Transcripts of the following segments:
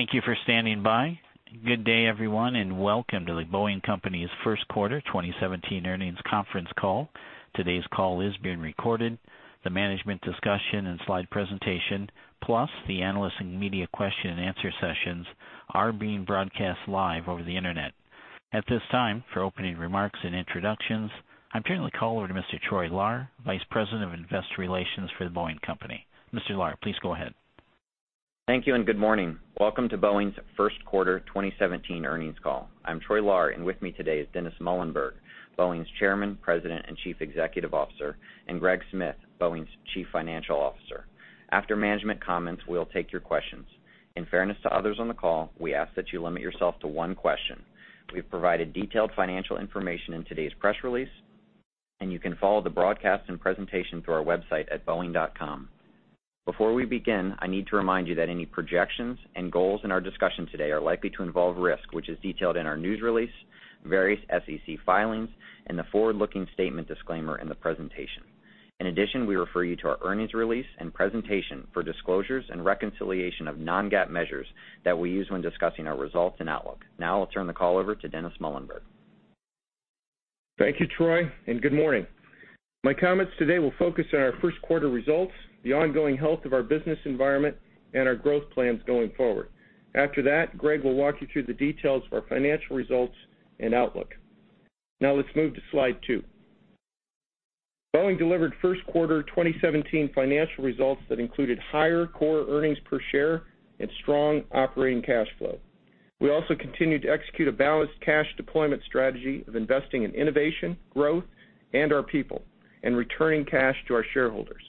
Thank you for standing by. Good day, everyone, and welcome to The Boeing Company's first quarter 2017 earnings conference call. Today's call is being recorded. The management discussion and slide presentation, plus the analyst and media question-and-answer sessions, are being broadcast live over the internet. At this time, for opening remarks and introductions, I'm turning the call over to Mr. Troy Lahr, Vice President of Investor Relations for The Boeing Company. Mr. Lahr, please go ahead. Thank you. Good morning. Welcome to Boeing's first quarter 2017 earnings call. I'm Troy Lahr, and with me today is Dennis Muilenburg, Boeing's Chairman, President, and Chief Executive Officer, and Greg Smith, Boeing's Chief Financial Officer. After management comments, we'll take your questions. In fairness to others on the call, we ask that you limit yourself to one question. We've provided detailed financial information in today's press release, and you can follow the broadcast and presentation through our website at boeing.com. Before we begin, I need to remind you that any projections and goals in our discussion today are likely to involve risk, which is detailed in our news release, various SEC filings, and the forward-looking statement disclaimer in the presentation. In addition, we refer you to our earnings release and presentation for disclosures and reconciliation of non-GAAP measures that we use when discussing our results and outlook. Now I'll turn the call over to Dennis Muilenburg. Thank you, Troy. Good morning. My comments today will focus on our first quarter results, the ongoing health of our business environment, and our growth plans going forward. After that, Greg will walk you through the details of our financial results and outlook. Now let's move to slide two. Boeing delivered first quarter 2017 financial results that included higher core earnings per share and strong operating cash flow. We also continued to execute a balanced cash deployment strategy of investing in innovation, growth, and our people, and returning cash to our shareholders.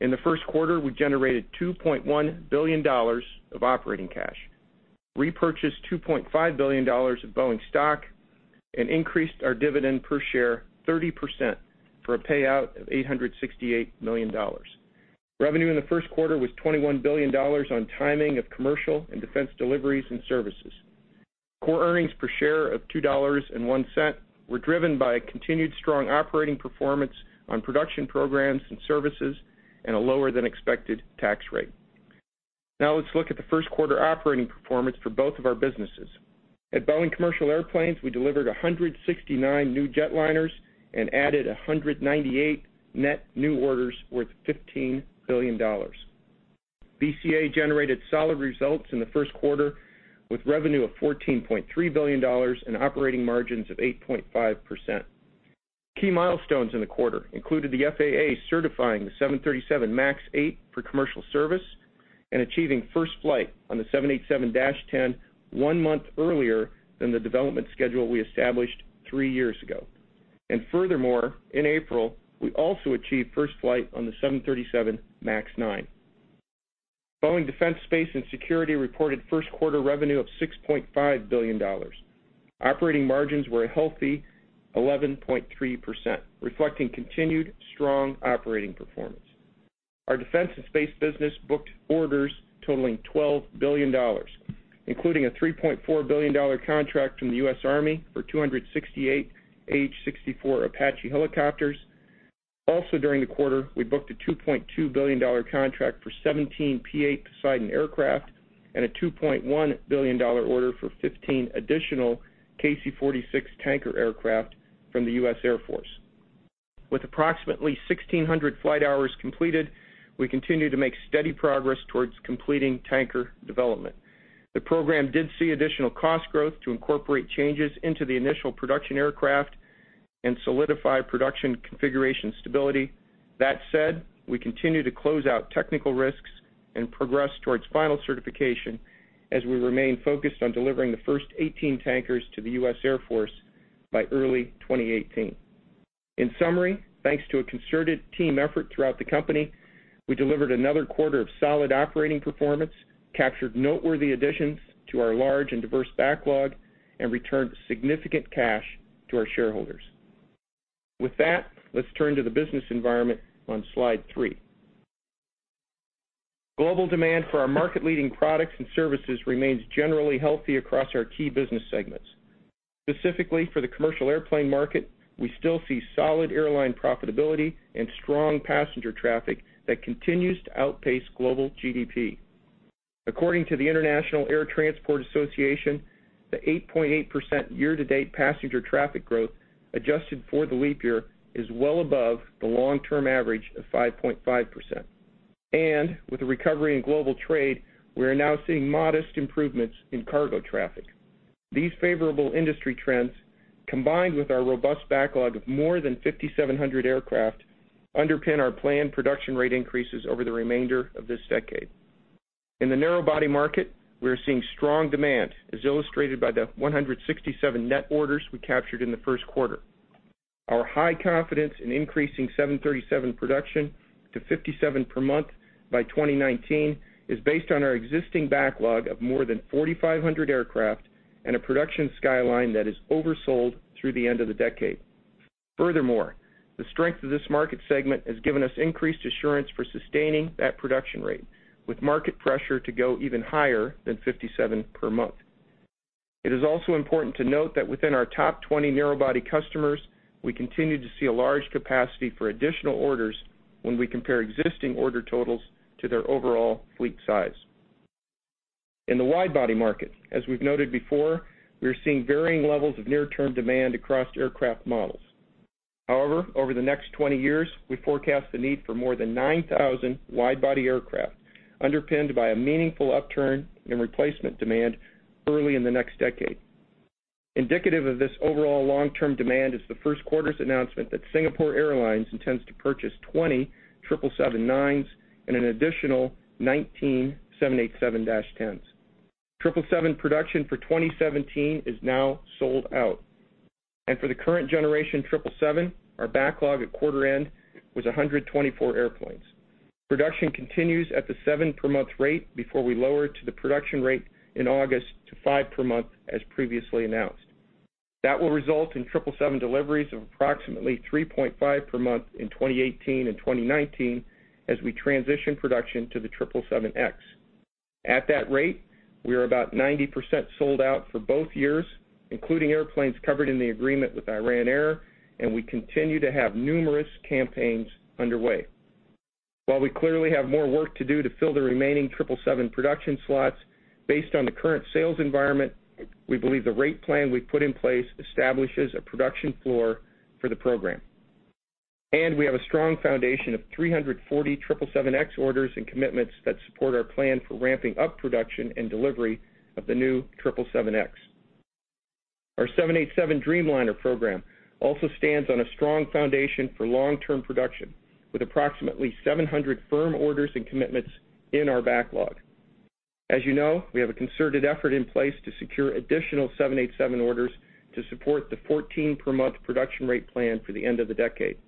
In the first quarter, we generated $2.1 billion of operating cash, repurchased $2.5 billion of Boeing stock, and increased our dividend per share 30% for a payout of $868 million. Revenue in the first quarter was $21 billion on timing of commercial and defense deliveries and services. Core earnings per share of $2.01 were driven by a continued strong operating performance on production programs and services and a lower than expected tax rate. Let's look at the first quarter operating performance for both of our businesses. At Boeing Commercial Airplanes, we delivered 169 new jetliners and added 198 net new orders worth $15 billion. BCA generated solid results in the first quarter with revenue of $14.3 billion and operating margins of 8.5%. Key milestones in the quarter included the FAA certifying the 737 MAX 8 for commercial service and achieving first flight on the 787-10 one month earlier than the development schedule we established three years ago. Furthermore, in April, we also achieved first flight on the 737 MAX 9. Boeing Defense, Space & Security reported first quarter revenue of $6.5 billion. Operating margins were a healthy 11.3%, reflecting continued strong operating performance. Our defense and space business booked orders totaling $12 billion, including a $3.4 billion contract from the U.S. Army for 268 AH-64 Apache helicopters. Also during the quarter, we booked a $2.2 billion contract for 17 P-8 Poseidon aircraft and a $2.1 billion order for 15 additional KC-46 Tanker aircraft from the U.S. Air Force. With approximately 1,600 flight hours completed, we continue to make steady progress towards completing Tanker development. The program did see additional cost growth to incorporate changes into the initial production aircraft and solidify production configuration stability. That said, we continue to close out technical risks and progress towards final certification as we remain focused on delivering the first 18 Tankers to the U.S. Air Force by early 2018. In summary, thanks to a concerted team effort throughout the company, we delivered another quarter of solid operating performance, captured noteworthy additions to our large and diverse backlog, and returned significant cash to our shareholders. Let's turn to the business environment on slide three. Global demand for our market-leading products and services remains generally healthy across our key business segments. Specifically for the commercial airplane market, we still see solid airline profitability and strong passenger traffic that continues to outpace global GDP. According to the International Air Transport Association, the 8.8% year-to-date passenger traffic growth, adjusted for the leap year, is well above the long-term average of 5.5%. With the recovery in global trade, we are now seeing modest improvements in cargo traffic. These favorable industry trends, combined with our robust backlog of more than 5,700 aircraft, underpin our planned production rate increases over the remainder of this decade. In the narrow body market, we are seeing strong demand, as illustrated by the 167 net orders we captured in the first quarter. Our high confidence in increasing 737 production to 57 per month by 2019 is based on our existing backlog of more than 4,500 aircraft and a production skyline that is oversold through the end of the decade. Furthermore, the strength of this market segment has given us increased assurance for sustaining that production rate, with market pressure to go even higher than 57 per month. It is also important to note that within our top 20 narrow body customers, we continue to see a large capacity for additional orders when we compare existing order totals to their overall fleet size. In the wide body market, as we've noted before, we are seeing varying levels of near-term demand across aircraft models. Over the next 20 years, we forecast the need for more than 9,000 wide body aircraft, underpinned by a meaningful upturn in replacement demand early in the next decade. Indicative of this overall long-term demand is the first quarter's announcement that Singapore Airlines intends to purchase 20 777-9s and an additional 19 787-10s. 777 production for 2017 is now sold out. For the current generation 777, our backlog at quarter end was 124 airplanes. Production continues at the seven per month rate before we lower to the production rate in August to five per month, as previously announced. That will result in 777 deliveries of approximately 3.5 per month in 2018 and 2019, as we transition production to the 777X. At that rate, we are about 90% sold out for both years, including airplanes covered in the agreement with Iran Air, and we continue to have numerous campaigns underway. While we clearly have more work to do to fill the remaining 777 production slots, based on the current sales environment, we believe the rate plan we've put in place establishes a production floor for the program. We have a strong foundation of 340 777X orders and commitments that support our plan for ramping up production and delivery of the new 777X. Our 787 Dreamliner program also stands on a strong foundation for long-term production, with approximately 700 firm orders and commitments in our backlog. As you know, we have a concerted effort in place to secure additional 787 orders to support the 14 per month production rate plan for the end of the decade.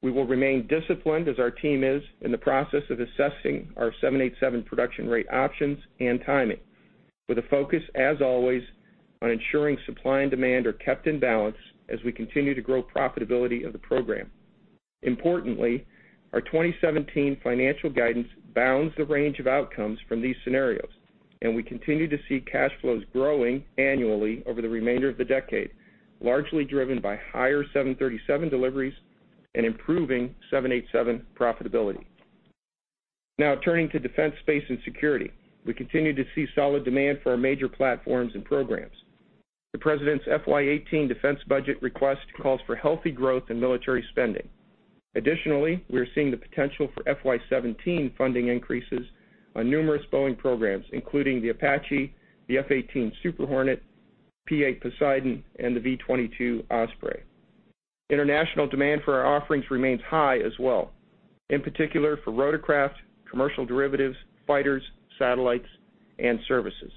We will remain disciplined as our team is in the process of assessing our 787 production rate options and timing, with a focus, as always, on ensuring supply and demand are kept in balance as we continue to grow profitability of the program. Importantly, our 2017 financial guidance bounds the range of outcomes from these scenarios, and we continue to see cash flows growing annually over the remainder of the decade, largely driven by higher 737 deliveries and improving 787 profitability. Now, turning to Defense, Space & Security. We continue to see solid demand for our major platforms and programs. The president's FY 2018 defense budget request calls for healthy growth in military spending. Additionally, we are seeing the potential for FY 2017 funding increases on numerous Boeing programs, including the AH-64 Apache, the F/A-18 Super Hornet, P-8 Poseidon, and the V-22 Osprey. International demand for our offerings remains high as well, in particular for rotorcraft, commercial derivatives, fighters, satellites, and services.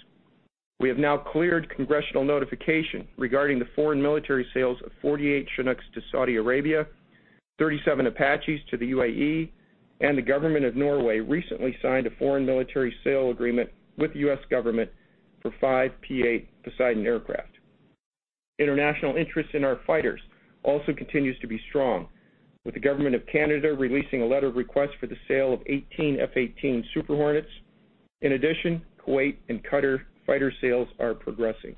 We have now cleared congressional notification regarding the foreign military sales of 48 CH-47 Chinooks to Saudi Arabia, 37 AH-64 Apaches to the UAE, and the government of Norway recently signed a foreign military sale agreement with the U.S. government for five P-8 Poseidon aircraft. International interest in our fighters also continues to be strong, with the government of Canada releasing a letter of request for the sale of 18 F/A-18 Super Hornets. In addition, Kuwait and Qatar fighter sales are progressing.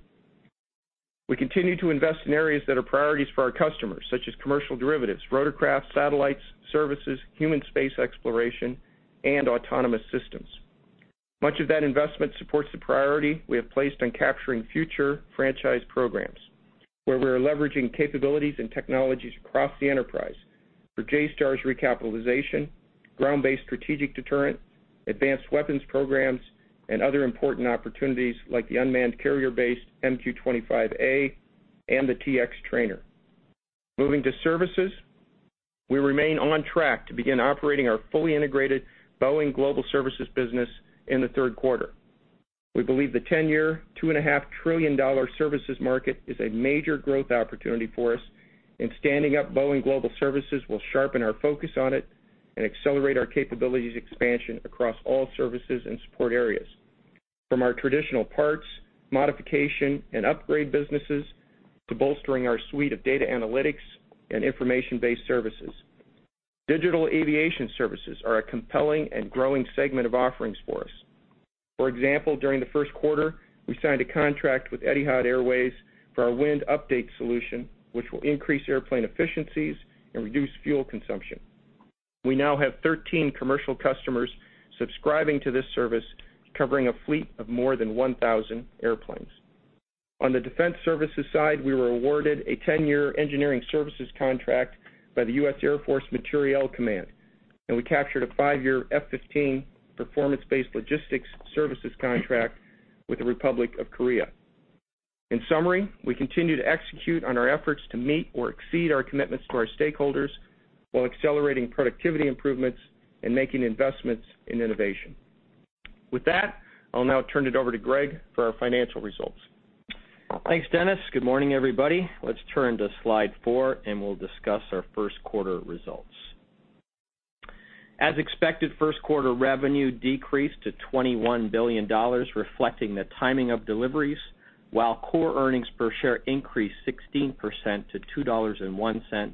We continue to invest in areas that are priorities for our customers, such as commercial derivatives, rotorcraft, satellites, services, human space exploration, and autonomous systems. Much of that investment supports the priority we have placed on capturing future franchise programs, where we are leveraging capabilities and technologies across the enterprise for JSTARS recapitalization, Ground-Based Strategic Deterrent, advanced weapons programs, and other important opportunities like the unmanned carrier-based MQ-25A and the T-X trainer. Moving to services, we remain on track to begin operating our fully integrated Boeing Global Services business in the third quarter. We believe the 10-year, $2.5 trillion services market is a major growth opportunity for us, and standing up Boeing Global Services will sharpen our focus on it and accelerate our capabilities expansion across all services and support areas, from our traditional parts, modification, and upgrade businesses, to bolstering our suite of data analytics and information-based services. Digital aviation services are a compelling and growing segment of offerings for us. For example, during the first quarter, we signed a contract with Etihad Airways for our Wind Uplink solution, which will increase airplane efficiencies and reduce fuel consumption. We now have 13 commercial customers subscribing to this service, covering a fleet of more than 1,000 airplanes. On the defense services side, we were awarded a 10-year engineering services contract by the U.S. Air Force Materiel Command, and we captured a five-year F-15 performance-based logistics services contract with the Republic of Korea. In summary, we continue to execute on our efforts to meet or exceed our commitments to our stakeholders while accelerating productivity improvements and making investments in innovation. With that, I'll now turn it over to Greg for our financial results. Thanks, Dennis. Good morning, everybody. Let's turn to slide four, and we'll discuss our first quarter results. As expected, first quarter revenue decreased to $21 billion, reflecting the timing of deliveries, while core earnings per share increased 16% to $2.01,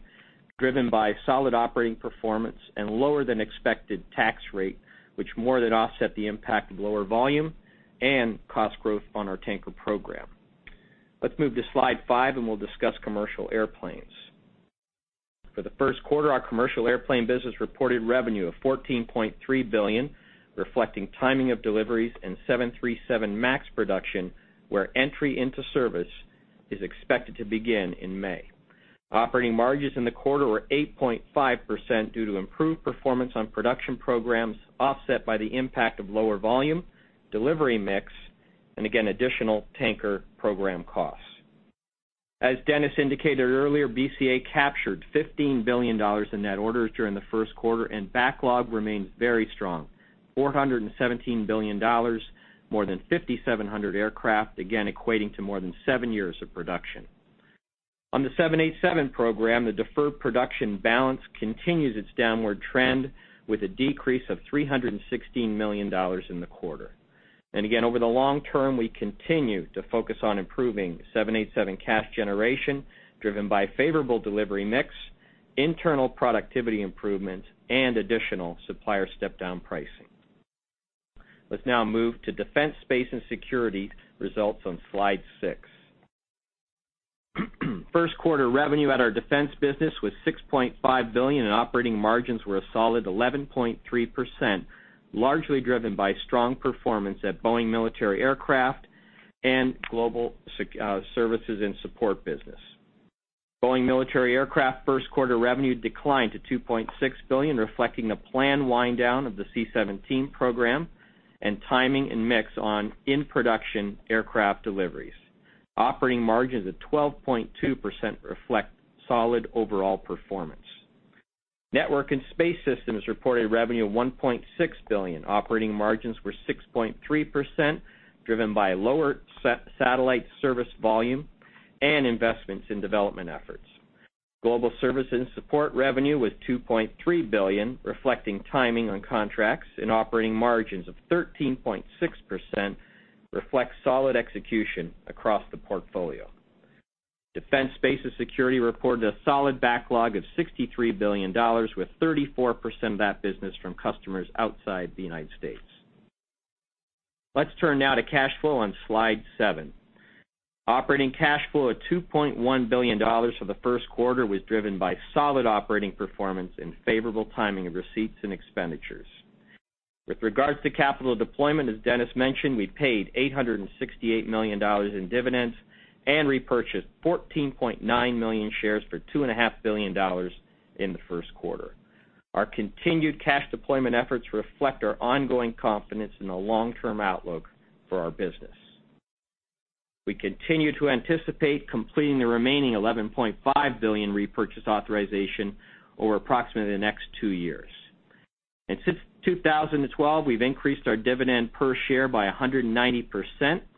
driven by solid operating performance and lower than expected tax rate, which more than offset the impact of lower volume and cost growth on our tanker program. Let's move to slide five, and we'll discuss commercial airplanes. For the first quarter, our commercial airplane business reported revenue of $14.3 billion, reflecting timing of deliveries and 737 MAX production, where entry into service is expected to begin in May. Operating margins in the quarter were 8.5% due to improved performance on production programs, offset by the impact of lower volume, delivery mix, and again, additional tanker program costs. As Dennis indicated earlier, BCA captured $15 billion in net orders during the first quarter, and backlog remains very strong, $417 billion, more than 5,700 aircraft, again, equating to more than seven years of production. On the 787 program, the deferred production balance continues its downward trend with a decrease of $316 million in the quarter. And again, over the long term, we continue to focus on improving 787 cash generation driven by favorable delivery mix, internal productivity improvements, and additional supplier step-down pricing. Let's now move to Defense, Space & Security results on slide six. First quarter revenue at our defense business was $6.5 billion, and operating margins were a solid 11.3%, largely driven by strong performance at Boeing Military Aircraft and Global Services & Support business. Boeing Military Aircraft first quarter revenue declined to $2.6 billion, reflecting a planned wind down of the C-17 program and timing and mix on in-production aircraft deliveries. Operating margins at 12.2% reflect solid overall performance. Network and Space Systems reported revenue of $1.6 billion. Operating margins were 6.3%, driven by lower satellite service volume and investments in development efforts. Global Services & Support revenue was $2.3 billion, reflecting timing on contracts, and operating margins of 13.6% reflect solid execution across the portfolio. Defense, Space & Security reported a solid backlog of $63 billion, with 34% of that business from customers outside the United States. Let's turn now to cash flow on slide seven. Operating cash flow of $2.1 billion for the first quarter was driven by solid operating performance and favorable timing of receipts and expenditures. With regards to capital deployment, as Dennis mentioned, we paid $868 million in dividends and repurchased 14.9 million shares for $2.5 billion in the first quarter. Our continued cash deployment efforts reflect our ongoing confidence in the long-term outlook for our business. We continue to anticipate completing the remaining $11.5 billion repurchase authorization over approximately the next two years. Since 2012, we've increased our dividend per share by 190%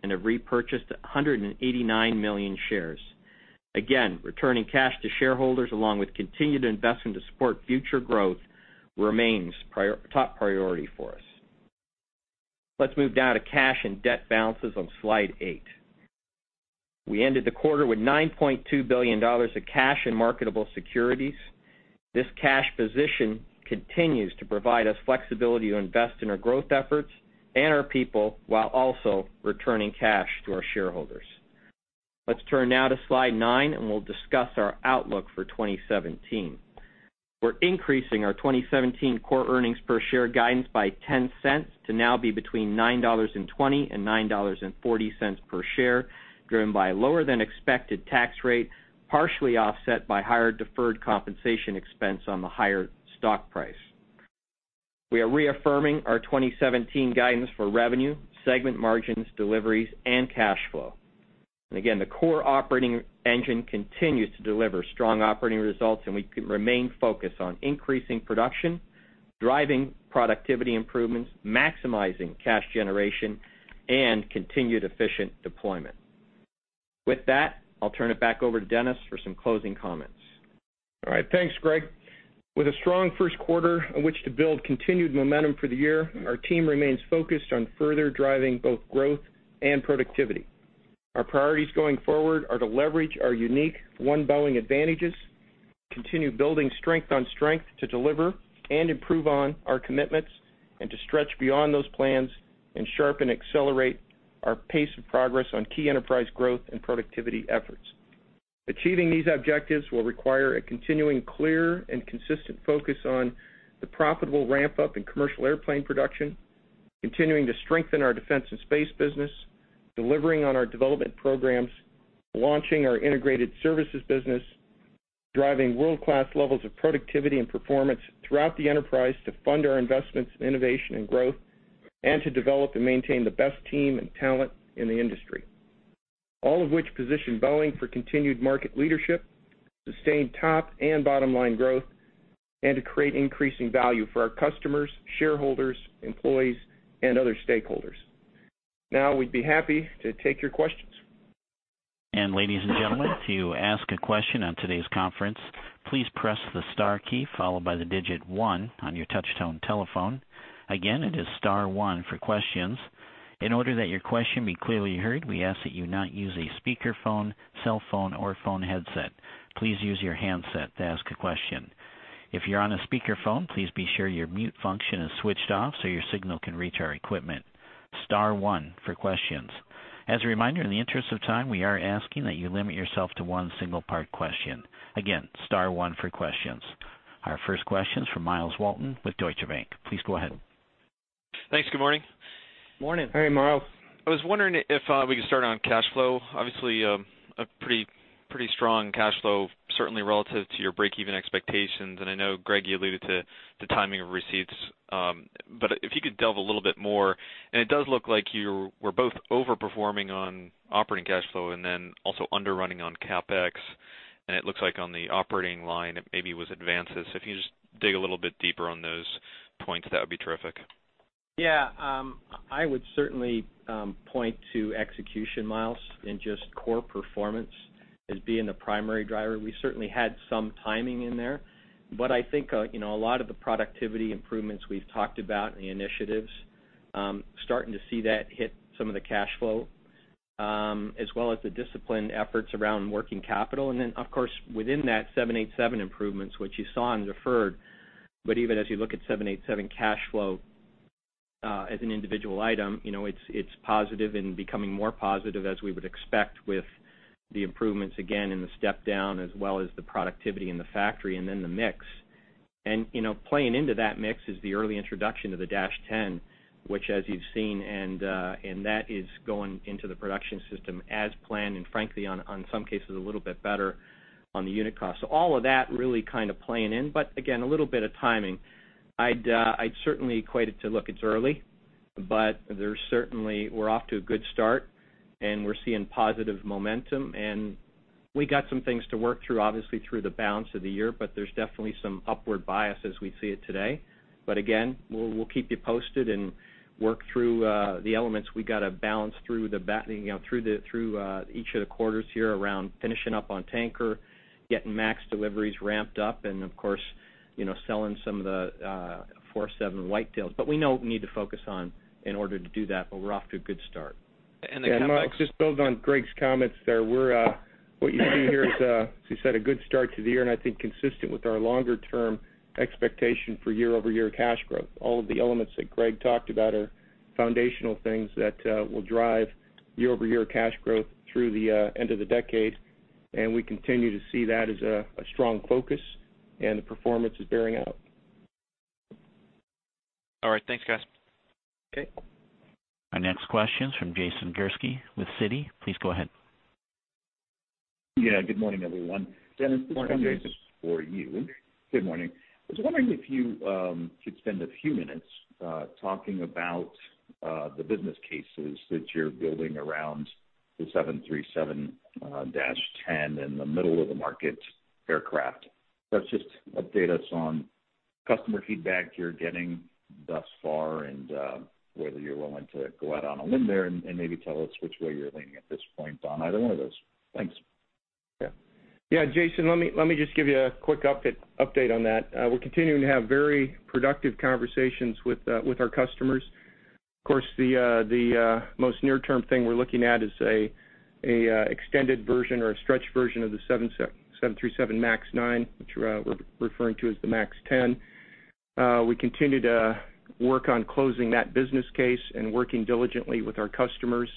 and have repurchased 189 million shares. Again, returning cash to shareholders, along with continued investment to support future growth, remains top priority for us. Let's move now to cash and debt balances on slide eight. We ended the quarter with $9.2 billion of cash in marketable securities. This cash position continues to provide us flexibility to invest in our growth efforts and our people while also returning cash to our shareholders. Let's turn now to slide nine, and we'll discuss our outlook for 2017. We're increasing our 2017 core earnings per share guidance by $0.10 to now be between $9.20 and $9.40 per share, driven by a lower than expected tax rate, partially offset by higher deferred compensation expense on the higher stock price. We are reaffirming our 2017 guidance for revenue, segment margins, deliveries, and cash flow. Again, the core operating engine continues to deliver strong operating results, and we remain focused on increasing production, driving productivity improvements, maximizing cash generation, and continued efficient deployment. With that, I'll turn it back over to Dennis for some closing comments. All right. Thanks, Greg. With a strong first quarter on which to build continued momentum for the year, our team remains focused on further driving both growth and productivity. Our priorities going forward are to leverage our unique One Boeing advantages, continue building strength on strength to deliver and improve on our commitments, and to stretch beyond those plans and sharpen, accelerate our pace of progress on key enterprise growth and productivity efforts. Achieving these objectives will require a continuing clear and consistent focus on the profitable ramp-up in commercial airplane production, continuing to strengthen our defense and space business, delivering on our development programs, launching our integrated services business, driving world-class levels of productivity and performance throughout the enterprise to fund our investments in innovation and growth, and to develop and maintain the best team and talent in the industry. All of which position Boeing for continued market leadership, sustained top and bottom-line growth, and to create increasing value for our customers, shareholders, employees, and other stakeholders. Now, we'd be happy to take your questions. Ladies and gentlemen, to ask a question on today's conference, please press the star key followed by the digit one on your touch-tone telephone. Again, it is star one for questions. In order that your question be clearly heard, we ask that you not use a speakerphone, cell phone, or phone headset. Please use your handset to ask a question. If you're on a speakerphone, please be sure your mute function is switched off so your signal can reach our equipment. Star one for questions. As a reminder, in the interest of time, we are asking that you limit yourself to one single part question. Again, star one for questions. Our first question is from Myles Walton with Deutsche Bank. Please go ahead. Thanks. Good morning. Morning. Hey, Myles. I was wondering if we could start on cash flow. Obviously, a pretty strong cash flow, certainly relative to your breakeven expectations. I know, Greg, you alluded to the timing of receipts, but if you could delve a little bit more. It does look like you were both over-performing on operating cash flow and then also under running on CapEx, and it looks like on the operating line, it maybe was advances. If you just dig a little bit deeper on those points, that would be terrific. I would certainly point to execution, Myles, and just core performance as being the primary driver. We certainly had some timing in there, but I think a lot of the productivity improvements we've talked about and the initiatives, starting to see that hit some of the cash flow, as well as the disciplined efforts around working capital. Then, of course, within that 787 improvements, which you saw in deferred, but even as you look at 787 cash flow as an individual item, it's positive and becoming more positive as we would expect with the improvements, again, in the step down as well as the productivity in the factory and then the mix. Playing into that mix is the early introduction of the -10, which as you've seen, and that is going into the production system as planned, and frankly, on some cases, a little bit better on the unit cost. All of that really kind of playing in, but again, a little bit of timing. I'd certainly equate it to, look, it's early, but we're off to a good start, and we're seeing positive momentum, and we got some things to work through, obviously, through the balance of the year, but there's definitely some upward bias as we see it today. Again, we'll keep you posted and work through the elements we got to balance through each of the quarters here around finishing up on tanker, getting MAX deliveries ramped up, and of course, selling some of the 47 white tails. We know what we need to focus on in order to do that, but we're off to a good start. Myles, just to build on Greg's comments there, what you see here is, as you said, a good start to the year, and I think consistent with our longer-term expectation for year-over-year cash growth. All of the elements that Greg talked about are foundational things that will drive year-over-year cash growth through the end of the decade. We continue to see that as a strong focus, and the performance is bearing out. All right. Thanks, guys. Okay. Our next question is from Jason Gursky with Citi. Please go ahead. Yeah. Good morning, everyone. Morning, Jason. Dennis, this one is for you. Good morning. I was wondering if you could spend a few minutes talking about the business cases that you're building around the 737-10 in the middle of the market aircraft. Just update us on customer feedback you're getting thus far and whether you're willing to go out on a limb there and maybe tell us which way you're leaning at this point on either one of those. Thanks. Jason, let me just give you a quick update on that. We're continuing to have very productive conversations with our customers. Of course, the most near-term thing we're looking at is an extended version or a stretched version of the 737 MAX 9, which we're referring to as the MAX 10. We continue to work on closing that business case and working diligently with our customers.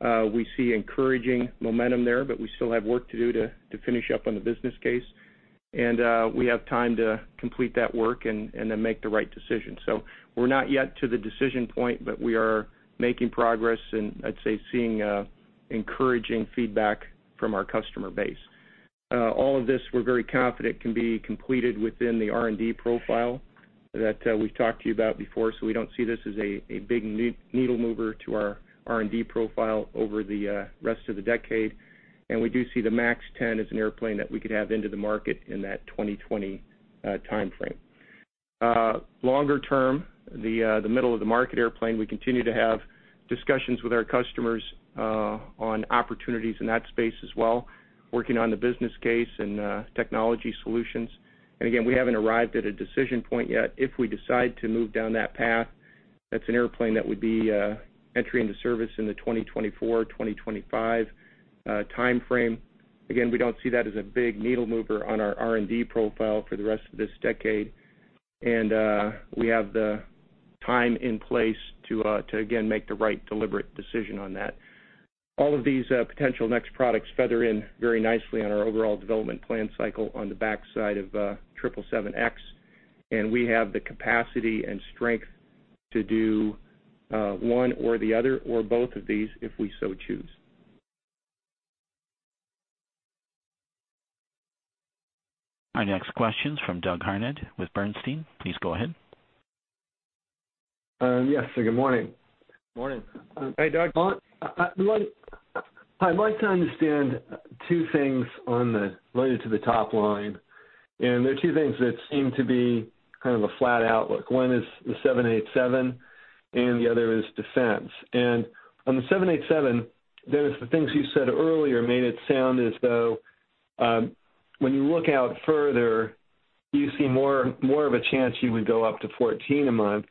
We see encouraging momentum there, but we still have work to do to finish up on the business case. We have time to complete that work and then make the right decision. We're not yet to the decision point, but we are making progress and I'd say seeing encouraging feedback from our customer base. All of this we're very confident can be completed within the R&D profile that we've talked to you about before. We don't see this as a big needle mover to our R&D profile over the rest of the decade. We do see the MAX 10 as an airplane that we could have into the market in that 2020 timeframe. Longer term, the middle of the market airplane, we continue to have discussions with our customers on opportunities in that space as well, working on the business case and technology solutions. Again, we haven't arrived at a decision point yet. If we decide to move down that path, that's an airplane that would be entering the service in the 2024, 2025 timeframe. Again, we don't see that as a big needle mover on our R&D profile for the rest of this decade. We have the time in place to, again, make the right deliberate decision on that. All of these potential next products feather in very nicely on our overall development plan cycle on the backside of 777X, and we have the capacity and strength to do one or the other or both of these if we so choose. Our next question is from Doug Harned with Bernstein. Please go ahead. Yes, sir. Good morning. Morning. Hey, Doug. I'd like to understand two things related to the top line. There are two things that seem to be kind of a flat outlook. One is the 787, and the other is defense. On the 787, there's the things you said earlier made it sound as though, when you look out further, you see more of a chance you would go up to 14 a month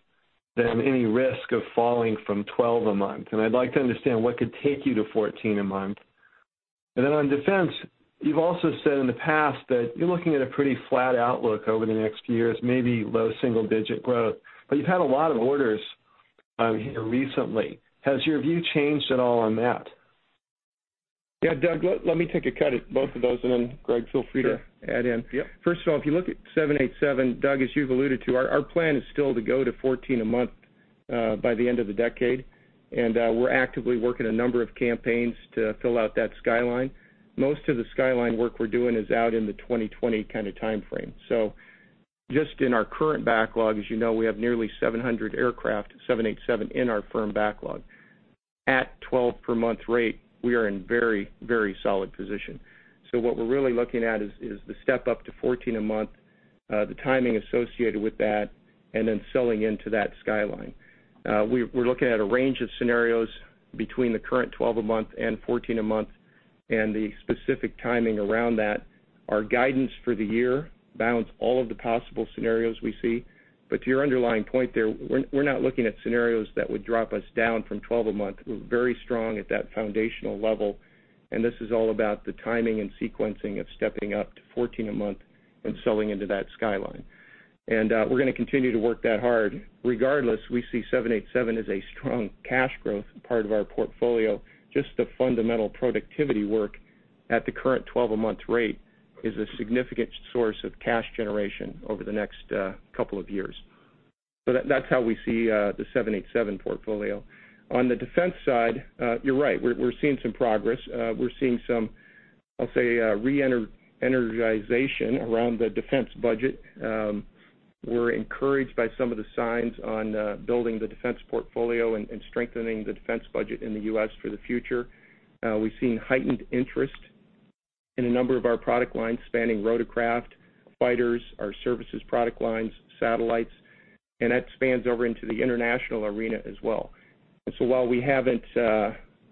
than any risk of falling from 12 a month. I'd like to understand what could take you to 14 a month. Then on defense, you've also said in the past that you're looking at a pretty flat outlook over the next few years, maybe low single-digit growth, but you've had a lot of orders here recently. Has your view changed at all on that? Yeah, Doug, let me take a cut at both of those. Then Greg, feel free to add in. Sure. Yep. First of all, if you look at 787, Doug, as you've alluded to, our plan is still to go to 14 a month by the end of the decade. We're actively working a number of campaigns to fill out that skyline. Most of the skyline work we're doing is out in the 2020 kind of timeframe. Just in our current backlog, as you know, we have nearly 700 aircraft, 787, in our firm backlog. At 12 per month rate, we are in very, very solid position. What we're really looking at is the step-up to 14 a month, the timing associated with that. Then selling into that skyline. We're looking at a range of scenarios between the current 12 a month and 14 a month and the specific timing around that. Our guidance for the year balance all of the possible scenarios we see. To your underlying point there, we're not looking at scenarios that would drop us down from 12 a month. We're very strong at that foundational level, and this is all about the timing and sequencing of stepping up to 14 a month and selling into that skyline. We're going to continue to work that hard. Regardless, we see 787 as a strong cash growth part of our portfolio. Just the fundamental productivity work at the current 12-a-month rate is a significant source of cash generation over the next couple of years. That's how we see the 787 portfolio. On the defense side, you're right. We're seeing some progress. We're seeing some, I'll say, re-energization around the defense budget. We're encouraged by some of the signs on building the defense portfolio and strengthening the defense budget in the U.S. for the future. We've seen heightened interest in a number of our product lines, spanning rotorcraft, fighters, our services product lines, satellites, and that spans over into the international arena as well. While we haven't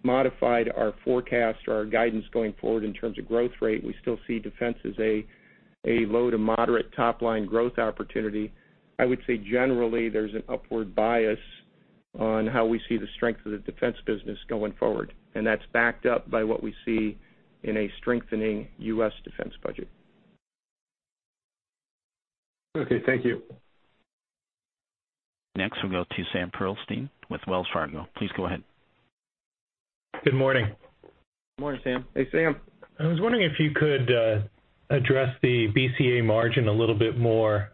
modified our forecast or our guidance going forward in terms of growth rate, we still see defense as a low to moderate top-line growth opportunity. I would say, generally, there's an upward bias on how we see the strength of the defense business going forward, and that's backed up by what we see in a strengthening U.S. defense budget. Okay. Thank you. Next, we'll go to Sam Pearlstein with Wells Fargo. Please go ahead. Good morning. Morning, Sam. Hey, Sam. I was wondering if you could address the BCA margin a little bit more.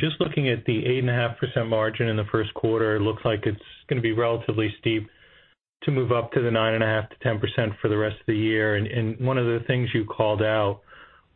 Just looking at the 8.5% margin in the first quarter, it looks like it's going to be relatively steep to move up to the 9.5%-10% for the rest of the year. One of the things you called out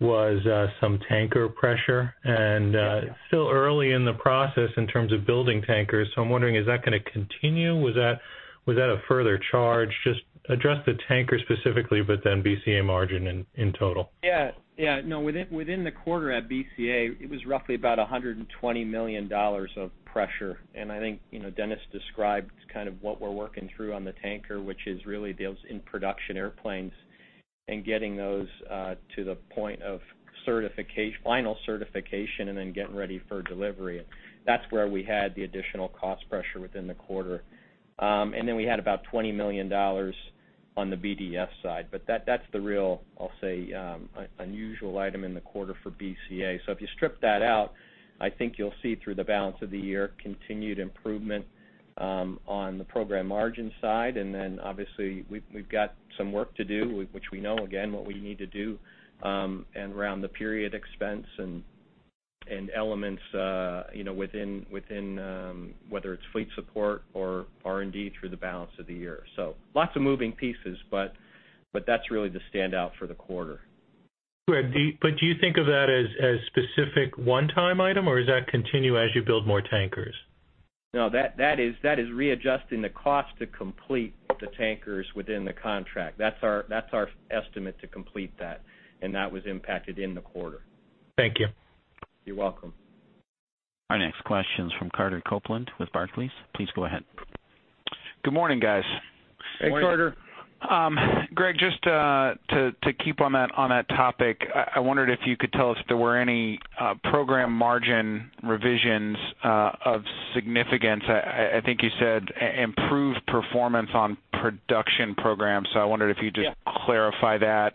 was some tanker pressure. It's still early in the process in terms of building tankers. I'm wondering, is that going to continue? Was that a further charge? Just address the tanker specifically, but then BCA margin in total. Yeah. Within the quarter at BCA, it was roughly about $120 million of pressure. I think Dennis described kind of what we're working through on the tanker, which is really those in-production airplanes and getting those to the point of final certification and then getting ready for delivery. That's where we had the additional cost pressure within the quarter. We had about $20 million on the BDS side, that's the real, I'll say, unusual item in the quarter for BCA. If you strip that out, I think you'll see through the balance of the year, continued improvement on the program margin side, obviously, we've got some work to do, which we know, again, what we need to do, and around the period expense and elements within, whether it's fleet support or R&D through the balance of the year. Lots of moving pieces, that's really the standout for the quarter. Right. Do you think of that as specific one-time item, or does that continue as you build more tankers? That is readjusting the cost to complete the tankers within the contract. That's our estimate to complete that was impacted in the quarter. Thank you. You're welcome. Our next question's from Carter Copeland with Barclays. Please go ahead. Good morning, guys. Hey, Carter. Greg, just to keep on that topic, I wondered if you could tell us if there were any program margin revisions of significance. I think you said improved performance on production programs, I wondered if you'd. Yeah clarify that.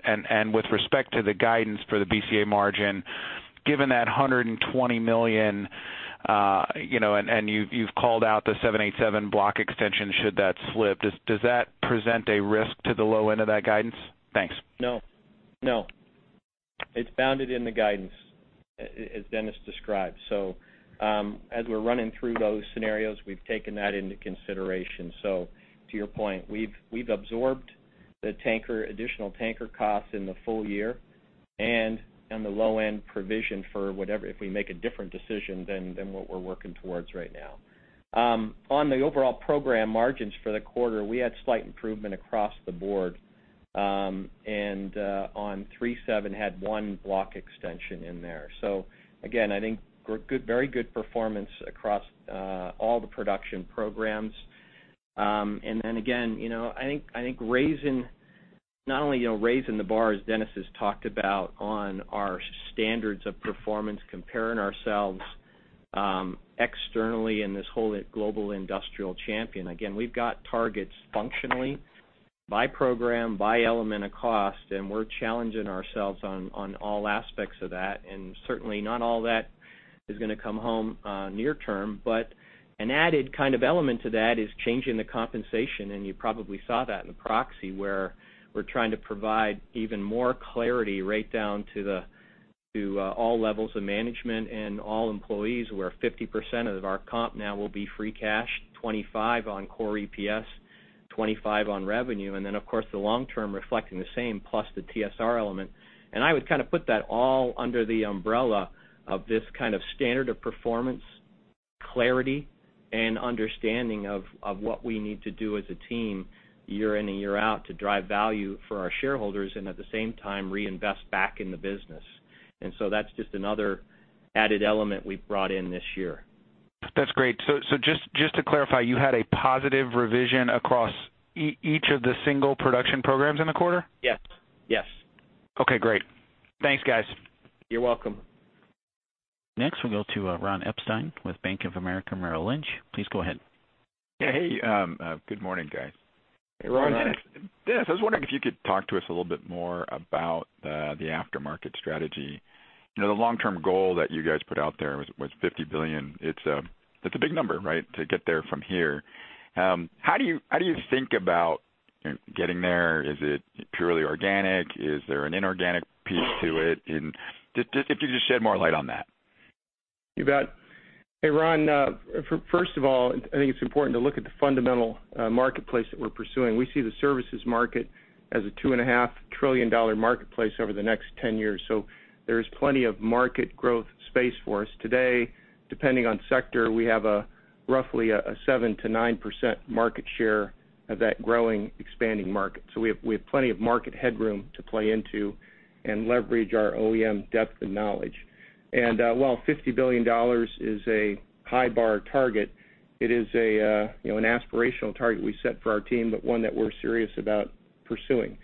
With respect to the guidance for the BCA margin, given that $120 million, and you've called out the 787 block extension should that slip, does that present a risk to the low end of that guidance? Thanks. No. It's bounded in the guidance, as Dennis described. As we're running through those scenarios, we've taken that into consideration. To your point, we've absorbed the additional tanker costs in the full year, and the low-end provision for whatever, if we make a different decision than what we're working towards right now. On the overall program margins for the quarter, we had slight improvement across the board. On 737 had one block extension in there. Again, I think very good performance across all the production programs. Again, I think not only raising the bar, as Dennis has talked about, on our standards of performance, comparing ourselves externally in this whole global industrial champion. We've got targets functionally by program, by element of cost, and we're challenging ourselves on all aspects of that. Certainly not all that is going to come home near term, but an added kind of element to that is changing the compensation, and you probably saw that in the proxy, where we're trying to provide even more clarity right down to all levels of management and all employees, where 50% of our comp now will be free cash, 25 on core EPS, 25 on revenue, then, of course, the long term reflecting the same, plus the TSR element. I would kind of put that all under the umbrella of this kind of standard of performance, clarity, and understanding of what we need to do as a team year in and year out to drive value for our shareholders, and at the same time reinvest back in the business. That's just another added element we've brought in this year. That's great. Just to clarify, you had a positive revision across each of the single production programs in the quarter? Yes. Okay, great. Thanks, guys. You're welcome. Next, we'll go to Ron Epstein with Bank of America Merrill Lynch. Please go ahead. Hey, good morning, guys. Hey, Ron. Hey, Ron. Dennis, I was wondering if you could talk to us a little bit more about the aftermarket strategy. The long-term goal that you guys put out there was $50 billion. It's a big number, right, to get there from here. How do you think about getting there? Is it purely organic? Is there an inorganic piece to it? If you could just shed more light on that. You bet. Hey, Ron. First of all, I think it's important to look at the fundamental marketplace that we're pursuing. We see the services market as a $2.5 trillion marketplace over the next 10 years, there is plenty of market growth space for us. Today, depending on sector, we have roughly a 7%-9% market share of that growing, expanding market. We have plenty of market headroom to play into and leverage our OEM depth of knowledge. While $50 billion is a high bar target, it is an aspirational target we set for our team, but one that we're serious about pursuing.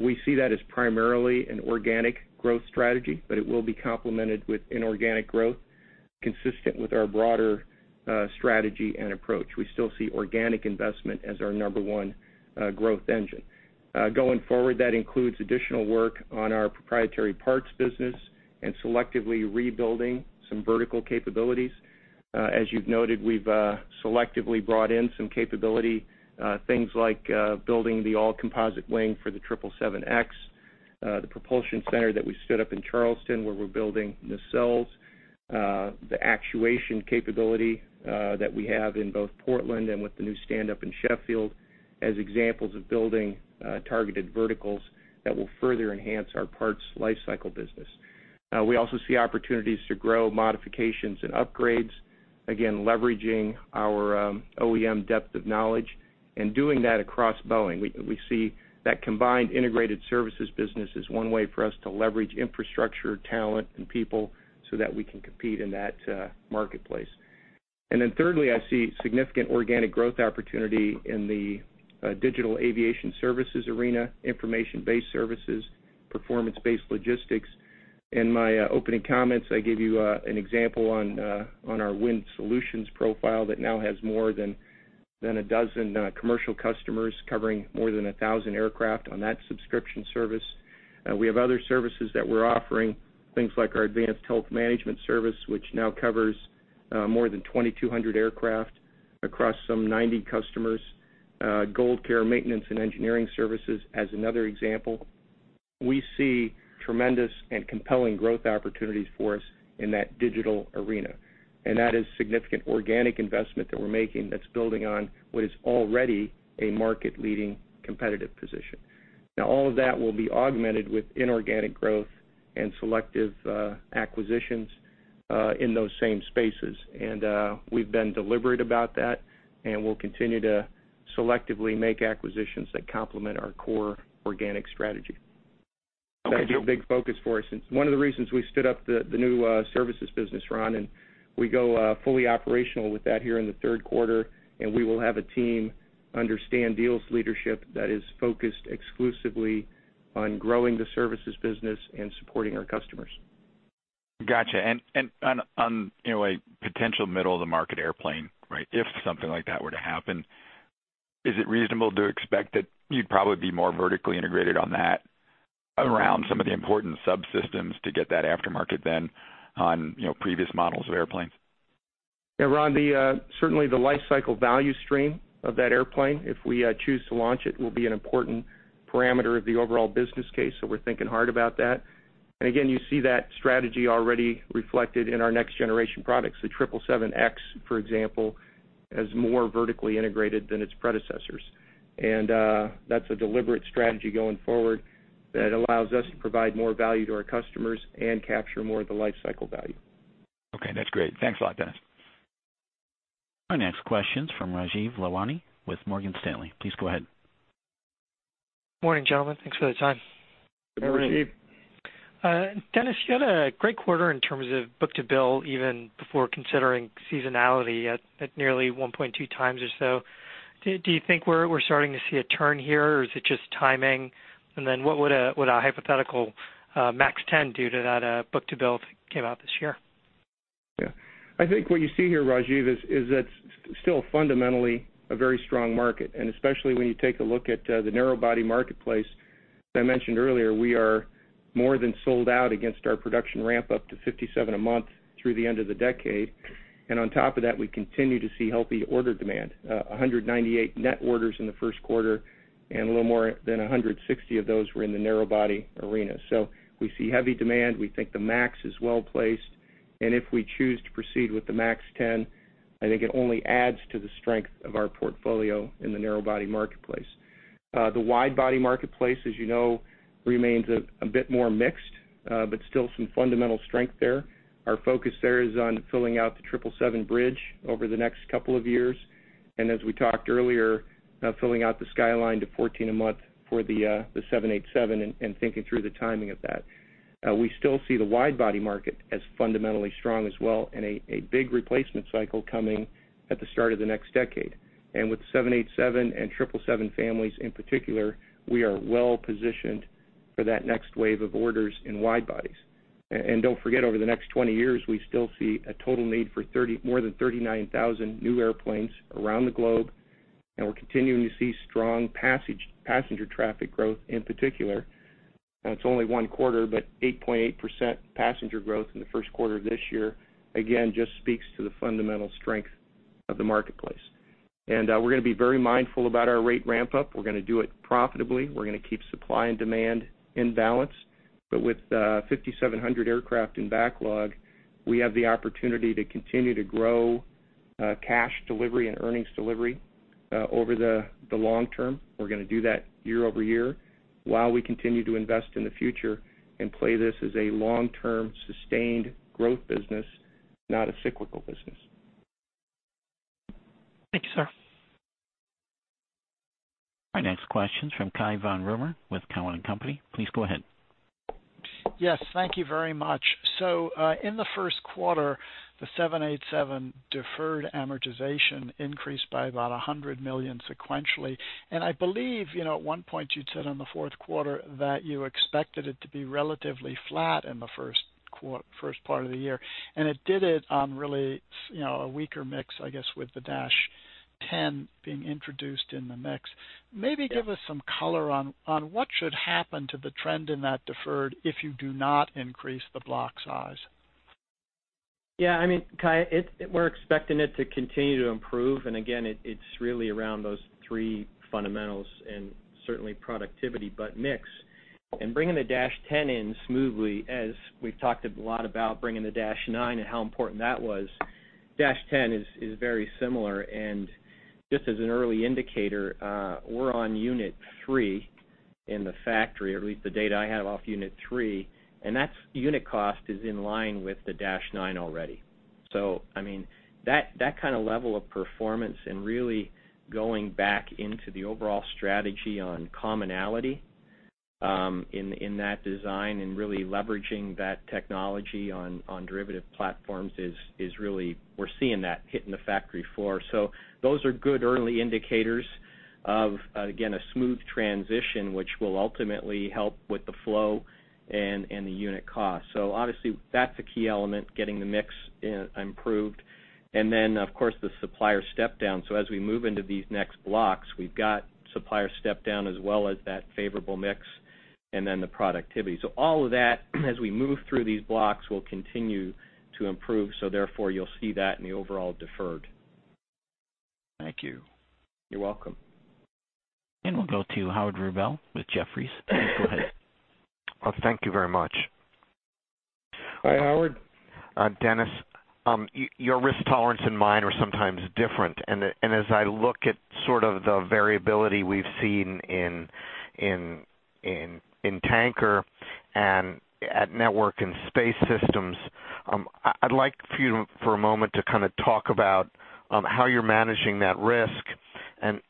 We see that as primarily an organic growth strategy, but it will be complemented with inorganic growth, consistent with our broader strategy and approach. We still see organic investment as our number 1 growth engine. Going forward, that includes additional work on our proprietary parts business and selectively rebuilding some vertical capabilities. As you've noted, we've selectively brought in some capability, things like building the all-composite wing for the 777X, the propulsion center that we stood up in Charleston, where we're building nacelles, the actuation capability that we have in both Portland and with the new stand-up in Sheffield, as examples of building targeted verticals that will further enhance our parts lifecycle business. We also see opportunities to grow modifications and upgrades, again, leveraging our OEM depth of knowledge and doing that across Boeing. We see that combined integrated services business as one way for us to leverage infrastructure, talent, and people so that we can compete in that marketplace. Thirdly, I see significant organic growth opportunity in the digital aviation services arena, information-based services, performance-based logistics. In my opening comments, I gave you an example on our wind solutions profile that now has more than a dozen commercial customers covering more than 1,000 aircraft on that subscription service. We have other services that we're offering, things like our advanced health management service, which now covers more than 2,200 aircraft across some 90 customers. GoldCare maintenance and engineering services as another example. We see tremendous and compelling growth opportunities for us in that digital arena. That is significant organic investment that we're making that's building on what is already a market-leading competitive position. Now, all of that will be augmented with inorganic growth and selective acquisitions in those same spaces. We've been deliberate about that, and we'll continue to selectively make acquisitions that complement our core organic strategy. Okay. That'll be a big focus for us. It's one of the reasons we stood up the new services business, Ron. We go fully operational with that here in the third quarter. We will have a team under Stan Deal's leadership that is focused exclusively on growing the services business and supporting our customers. Got you. On a potential middle of the market airplane, if something like that were to happen, is it reasonable to expect that you'd probably be more vertically integrated on that around some of the important subsystems to get that aftermarket then on previous models of airplanes? Yeah, Ron, certainly the life cycle value stream of that airplane, if we choose to launch it, will be an important parameter of the overall business case. We're thinking hard about that. Again, you see that strategy already reflected in our next generation products. The 777X, for example, is more vertically integrated than its predecessors. That's a deliberate strategy going forward that allows us to provide more value to our customers and capture more of the life cycle value. Okay. That's great. Thanks a lot, Dennis. Our next question's from Rajeev Lalwani with Morgan Stanley. Please go ahead. Morning, gentlemen. Thanks for the time. Good morning, Rajeev. Dennis, you had a great quarter in terms of book-to-bill, even before considering seasonality, at nearly 1.2 times or so. Do you think we're starting to see a turn here, or is it just timing? What would a hypothetical MAX 10 do to that book-to-bill if it came out this year? I think what you see here, Rajeev, is that it's still fundamentally a very strong market, especially when you take a look at the narrow body marketplace. As I mentioned earlier, we are more than sold out against our production ramp up to 57 a month through the end of the decade. On top of that, we continue to see healthy order demand, 198 net orders in the first quarter, a little more than 160 of those were in the narrow body arena. We see heavy demand. We think the MAX is well-placed. If we choose to proceed with the MAX 10, I think it only adds to the strength of our portfolio in the narrow body marketplace. The wide body marketplace, as you know, remains a bit more mixed, but still some fundamental strength there. Our focus there is on filling out the 777 bridge over the next couple of years. As we talked earlier, filling out the skyline to 14 a month for the 787 and thinking through the timing of that. We still see the wide body market as fundamentally strong as well, and a big replacement cycle coming at the start of the next decade. With 787 and 777 families in particular, we are well positioned for that next wave of orders in wide bodies. Don't forget, over the next 20 years, we still see a total need for more than 39,000 new airplanes around the globe, and we're continuing to see strong passenger traffic growth in particular. It's only one quarter, but 8.8% passenger growth in the first quarter of this year, again, just speaks to the fundamental strength of the marketplace. We're going to be very mindful about our rate ramp up. We're going to do it profitably. We're going to keep supply and demand in balance. With 5,700 aircraft in backlog, we have the opportunity to continue to grow cash delivery and earnings delivery, over the long term. We're going to do that year-over-year while we continue to invest in the future and play this as a long-term sustained growth business, not a cyclical business. Thank you, sir. Our next question's from Cai von Rumohr with Cowen and Company. Please go ahead. Yes, thank you very much. In the first quarter, the 787 deferred amortization increased by about $100 million sequentially. I believe, at one point you'd said in the fourth quarter that you expected it to be relatively flat in the first part of the year. It did it on really a weaker mix, I guess, with the -10 being introduced in the mix. Maybe give us some color on what should happen to the trend in that deferred if you do not increase the block size. Yeah, Cai, we're expecting it to continue to improve, and again, it's really around those three fundamentals and certainly productivity, but mix. Bringing the -10 in smoothly as we've talked a lot about bringing the -9 and how important that was, -10 is very similar, and just as an early indicator, we're on unit 3 in the factory, or at least the data I have off unit 3, and that unit cost is in line with the -9 already. That kind of level of performance and really going back into the overall strategy on commonality, in that design and really leveraging that technology on derivative platforms is really, we're seeing that hit in the factory floor. Those are good early indicators of, again, a smooth transition, which will ultimately help with the flow and the unit cost. Obviously, that's a key element, getting the mix improved. Of course, the supplier step down. As we move into these next blocks, we've got supplier step down as well as that favorable mix and the productivity. All of that, as we move through these blocks, will continue to improve, therefore, you'll see that in the overall deferred. Thank you. You're welcome. We'll go to Howard Rubel with Jefferies. Please go ahead. Thank you very much. Hi, Howard. Dennis, your risk tolerance and mine are sometimes different. As I look at sort of the variability we've seen in Tanker and at Network and Space Systems, I'd like for you for a moment to kind of talk about how you're managing that risk.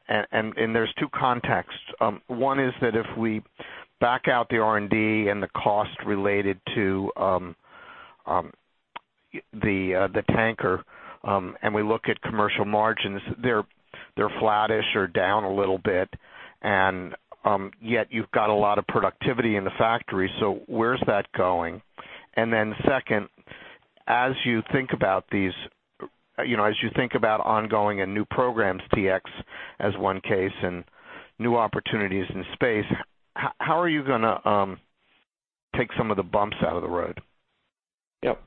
There's two contexts. One is that if we back out the R&D and the cost related to the Tanker, we look at commercial margins, they're flattish or down a little bit, yet you've got a lot of productivity in the factory. Where's that going? Second, as you think about ongoing and new programs, T-X as one case, new opportunities in space, how are you going to take some of the bumps out of the road? Yep.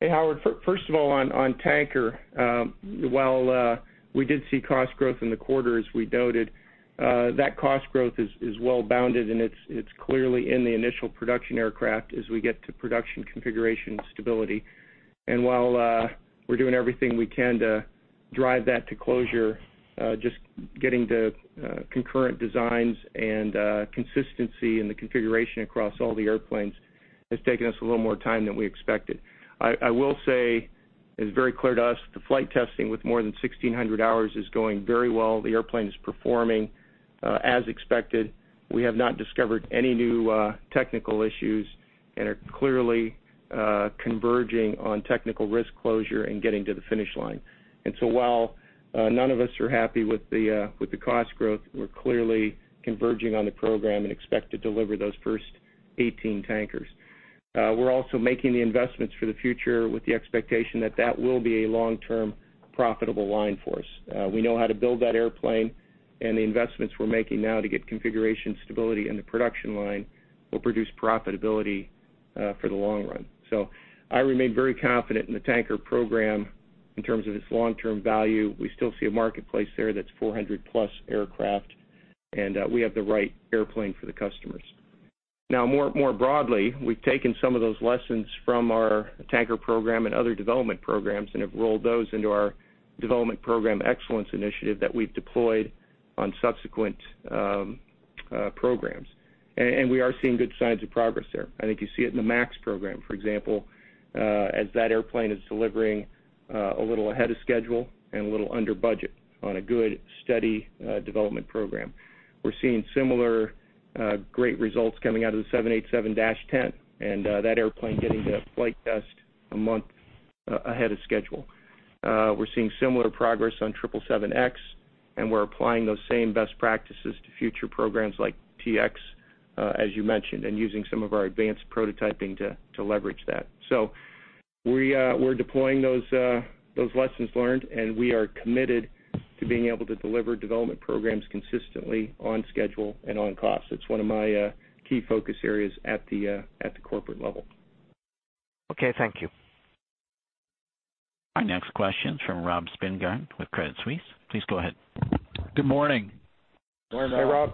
Hey, Howard, first of all, on Tanker, while we did see cost growth in the quarter, as we noted, that cost growth is well bounded. It's clearly in the initial production aircraft as we get to production configuration stability. While we're doing everything we can to drive that to closure, just getting the concurrent designs and consistency in the configuration across all the airplanes It's taken us a little more time than we expected. I will say, it's very clear to us, the flight testing with more than 1,600 hours is going very well. The airplane is performing as expected. We have not discovered any new technical issues, are clearly converging on technical risk closure and getting to the finish line. While none of us are happy with the cost growth, we're clearly converging on the program and expect to deliver those first 18 tankers. We're also making the investments for the future with the expectation that that will be a long-term profitable line for us. We know how to build that airplane, and the investments we're making now to get configuration stability in the production line will produce profitability for the long run. I remain very confident in the tanker program in terms of its long-term value. We still see a marketplace there that's 400-plus aircraft, and we have the right airplane for the customers. More broadly, we've taken some of those lessons from our tanker program and other development programs and have rolled those into our Development Program Excellence initiative that we've deployed on subsequent programs. We are seeing good signs of progress there. I think you see it in the MAX program, for example, as that airplane is delivering a little ahead of schedule and a little under budget on a good, steady development program. We're seeing similar great results coming out of the 787-10, and that airplane getting to flight test a month ahead of schedule. We're seeing similar progress on 777X, and we're applying those same best practices to future programs like T-X, as you mentioned, and using some of our advanced prototyping to leverage that. We're deploying those lessons learned, and we are committed to being able to deliver development programs consistently on schedule and on cost. It's one of my key focus areas at the corporate level. Okay, thank you. Our next question is from Robert Spingarn with Credit Suisse. Please go ahead. Good morning. Good morning, Rob. Hey, Rob.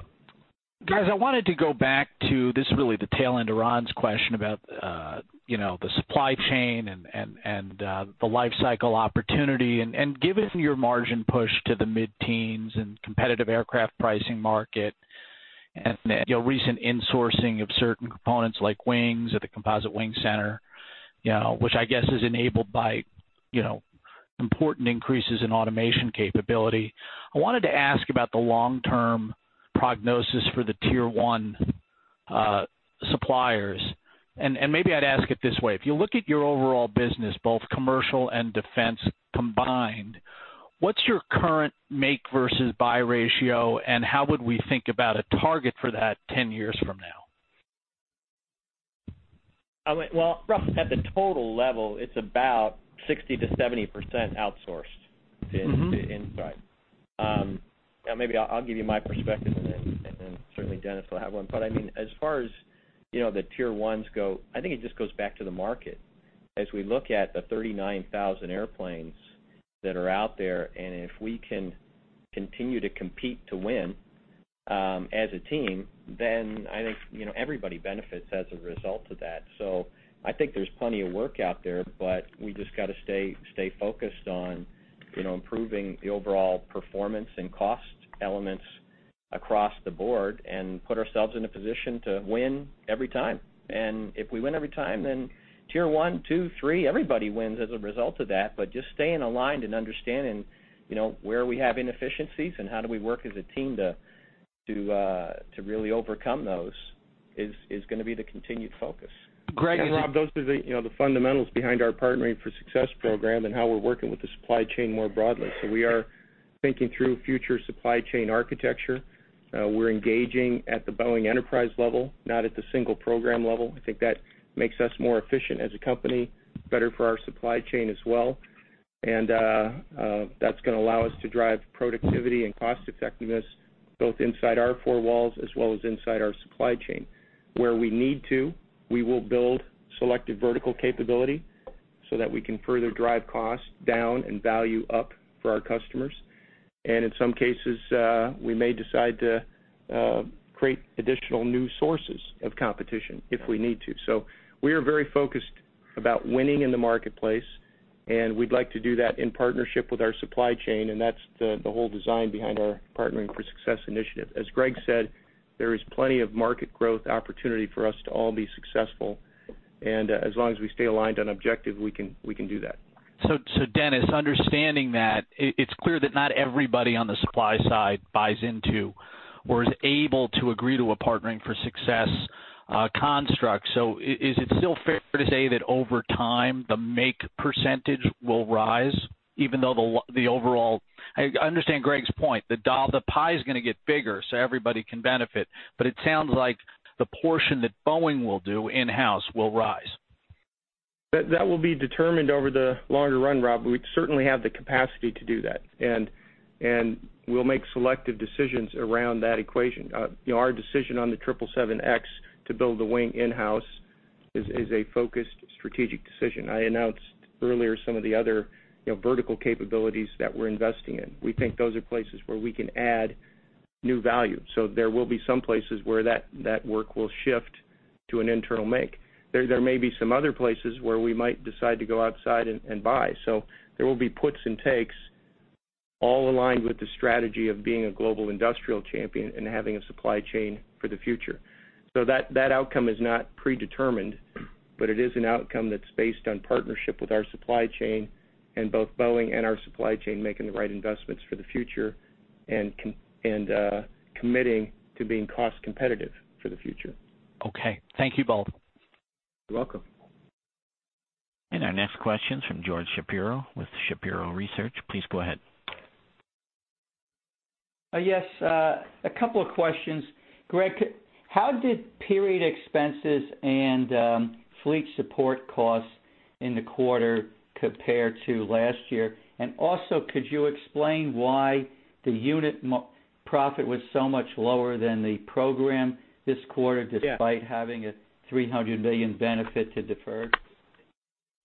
Guys, I wanted to go back to, this is really the tail end of Ron's question about the supply chain and the life cycle opportunity. Given your margin push to the mid-teens and competitive aircraft pricing market and recent insourcing of certain components like wings at the Composite Wing Center, which I guess is enabled by important increases in automation capability, I wanted to ask about the long-term prognosis for the tier 1 suppliers. Maybe I'd ask it this way, if you look at your overall business, both Commercial and Defense combined, what's your current make versus buy ratio, and how would we think about a target for that 10 years from now? Well, Rob, at the total level, it's about 60%-70% outsourced inside. Maybe I'll give you my perspective and certainly Dennis will have one. As far as the tier 1s go, I think it just goes back to the market. As we look at the 39,000 airplanes that are out there, if we can continue to compete to win as a team, I think everybody benefits as a result of that. I think there's plenty of work out there, we just got to stay focused on improving the overall performance and cost elements across the board and put ourselves in a position to win every time. If we win every time, tier 1, 2, 3, everybody wins as a result of that. Just staying aligned and understanding where we have inefficiencies and how do we work as a team to really overcome those, is going to be the continued focus. Greg and Rob, those are the fundamentals behind our Partnering for Success program and how we're working with the supply chain more broadly. We are thinking through future supply chain architecture. We're engaging at the Boeing enterprise level, not at the single program level. I think that makes us more efficient as a company, better for our supply chain as well. That's going to allow us to drive productivity and cost effectiveness, both inside our four walls as well as inside our supply chain. Where we need to, we will build selective vertical capability so that we can further drive costs down and value up for our customers. In some cases, we may decide to create additional new sources of competition if we need to. We are very focused about winning in the marketplace, and we'd like to do that in partnership with our supply chain, and that's the whole design behind our Partnering for Success initiative. As Greg said, there is plenty of market growth opportunity for us to all be successful. As long as we stay aligned and objective, we can do that. Dennis, understanding that, it's clear that not everybody on the supply side buys into or is able to agree to a Partnering for Success construct. Is it still fair to say that over time, the make percentage will rise, even though the overall-- I understand Greg's point. The pie is going to get bigger, so everybody can benefit. It sounds like the portion that Boeing will do in-house will rise. That will be determined over the longer run, Rob. We certainly have the capacity to do that, and we'll make selective decisions around that equation. Our decision on the 777X to build the wing in-house is a focused strategic decision. I announced earlier some of the other vertical capabilities that we're investing in. We think those are places where we can add new value. There will be some places where that work will shift to an internal make. There may be some other places where we might decide to go outside and buy. There will be puts and takes. All aligned with the strategy of being a global industrial champion and having a supply chain for the future. That outcome is not predetermined, but it is an outcome that's based on partnership with our supply chain and both Boeing and our supply chain making the right investments for the future and committing to being cost competitive for the future. Okay. Thank you both. You're welcome. Our next question's from George Shapiro with Shapiro Research. Please go ahead. Yes, a couple of questions. Greg, how did period expenses and fleet support costs in the quarter compare to last year? Also, could you explain why the unit profit was so much lower than the program this quarter despite having a $300 million benefit to defer?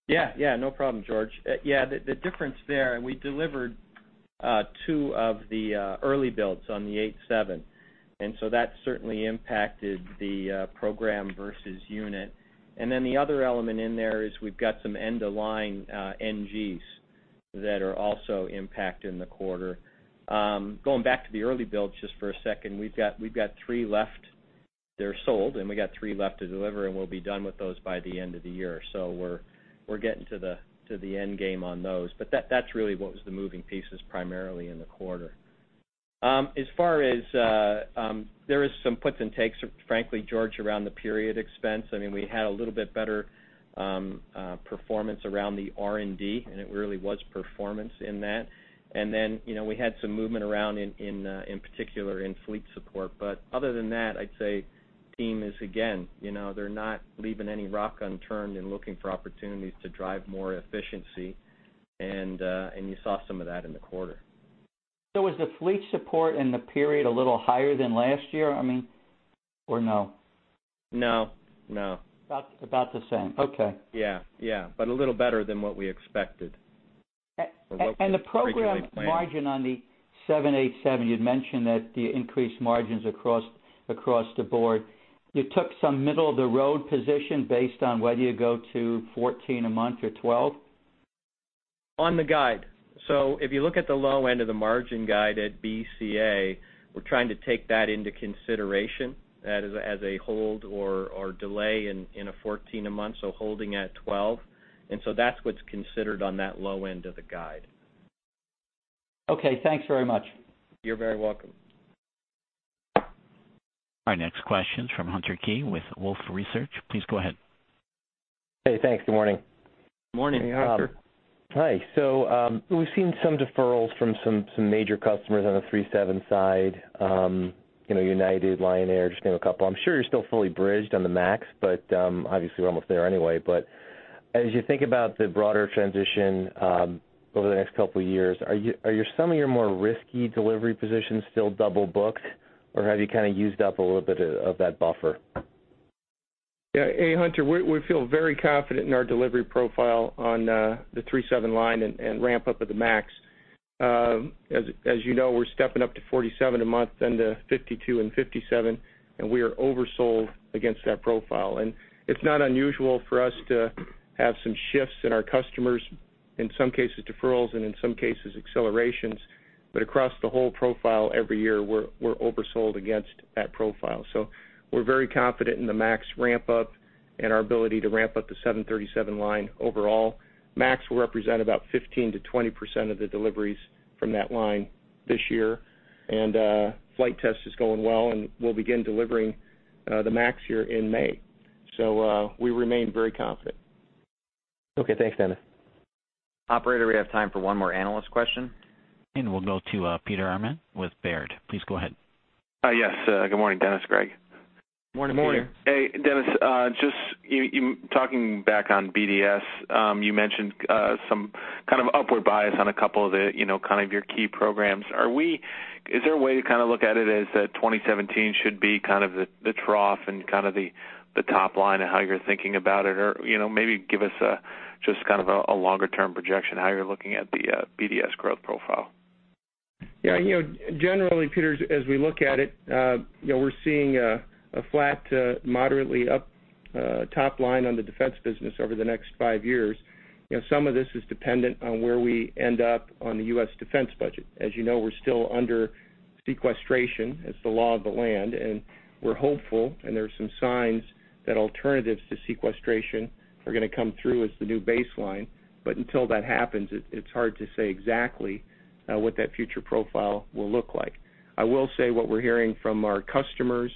No problem, George. The difference there, we delivered two of the early builds on the 787, and so that certainly impacted the program versus unit. The other element in there is we've got some end of line NGs that are also impacting the quarter. Going back to the early builds, just for a second, we've got three left. They're sold, and we got three left to deliver, and we'll be done with those by the end of the year. We're getting to the end game on those. That's really what was the moving pieces primarily in the quarter. There is some puts and takes, frankly, George, around the period expense. We had a little bit better performance around the R&D, and it really was performance in that. We had some movement around, in particular, in fleet support. Other than that, I'd say, the team is, again, they're not leaving any rock unturned and looking for opportunities to drive more efficiency, and you saw some of that in the quarter. Was the fleet support in the period a little higher than last year, or no? No. About the same. Okay. Yeah. A little better than what we expected or what we originally planned. The program margin on the 787, you'd mentioned that the increased margins across the board, you took some middle of the road position based on whether you go to 14 a month or 12? On the guide. If you look at the low end of the margin guide at BCA, we're trying to take that into consideration as a hold or delay in a 14 a month, holding at 12. That's what's considered on that low end of the guide. Okay, thanks very much. You're very welcome. Our next question's from Hunter Keay with Wolfe Research. Please go ahead. Hey, thanks. Good morning. Good morning. Hey, Hunter. Hi. We've seen some deferrals from some major customers on the 737 side, United Airlines, Lion Air, just to name a couple. I'm sure you're still fully bridged on the 737 MAX, obviously, we're almost there anyway. As you think about the broader transition, over the next two years, are some of your more risky delivery positions still double booked, or have you kind of used up a little bit of that buffer? Yeah. Hey, Hunter. We feel very confident in our delivery profile on the 737 line and ramp-up of the 737 MAX. As you know, we're stepping up to 47 a month, then to 52 and 57, and we are oversold against that profile. It's not unusual for us to have some shifts in our customers, in some cases, deferrals, and in some cases, accelerations. Across the whole profile every year, we're oversold against that profile. We're very confident in the 737 MAX ramp-up and our ability to ramp up the 737 line overall. 737 MAX will represent about 15%-20% of the deliveries from that line this year, and flight test is going well, and we'll begin delivering the 737 MAX here in May. We remain very confident. Okay. Thanks, Dennis. Operator, we have time for one more analyst question. We'll go to Peter Arment with Baird. Please go ahead. Yes. Good morning, Dennis, Greg. Morning, Peter. Morning. Hey, Dennis, just talking back on BDS, you mentioned some kind of upward bias on a couple of your key programs. Is there a way to kind of look at it as that 2017 should be kind of the trough and kind of the top line of how you're thinking about it? Maybe give us just kind of a longer-term projection, how you're looking at the BDS growth profile. Yeah. Generally, Peter, as we look at it, we're seeing a flat to moderately up top line on the defense business over the next five years. Some of this is dependent on where we end up on the U.S. defense budget. As you know, we're still under sequestration as the law of the land. We're hopeful, and there are some signs that alternatives to sequestration are going to come through as the new baseline. Until that happens, it's hard to say exactly what that future profile will look like. I will say what we're hearing from our customers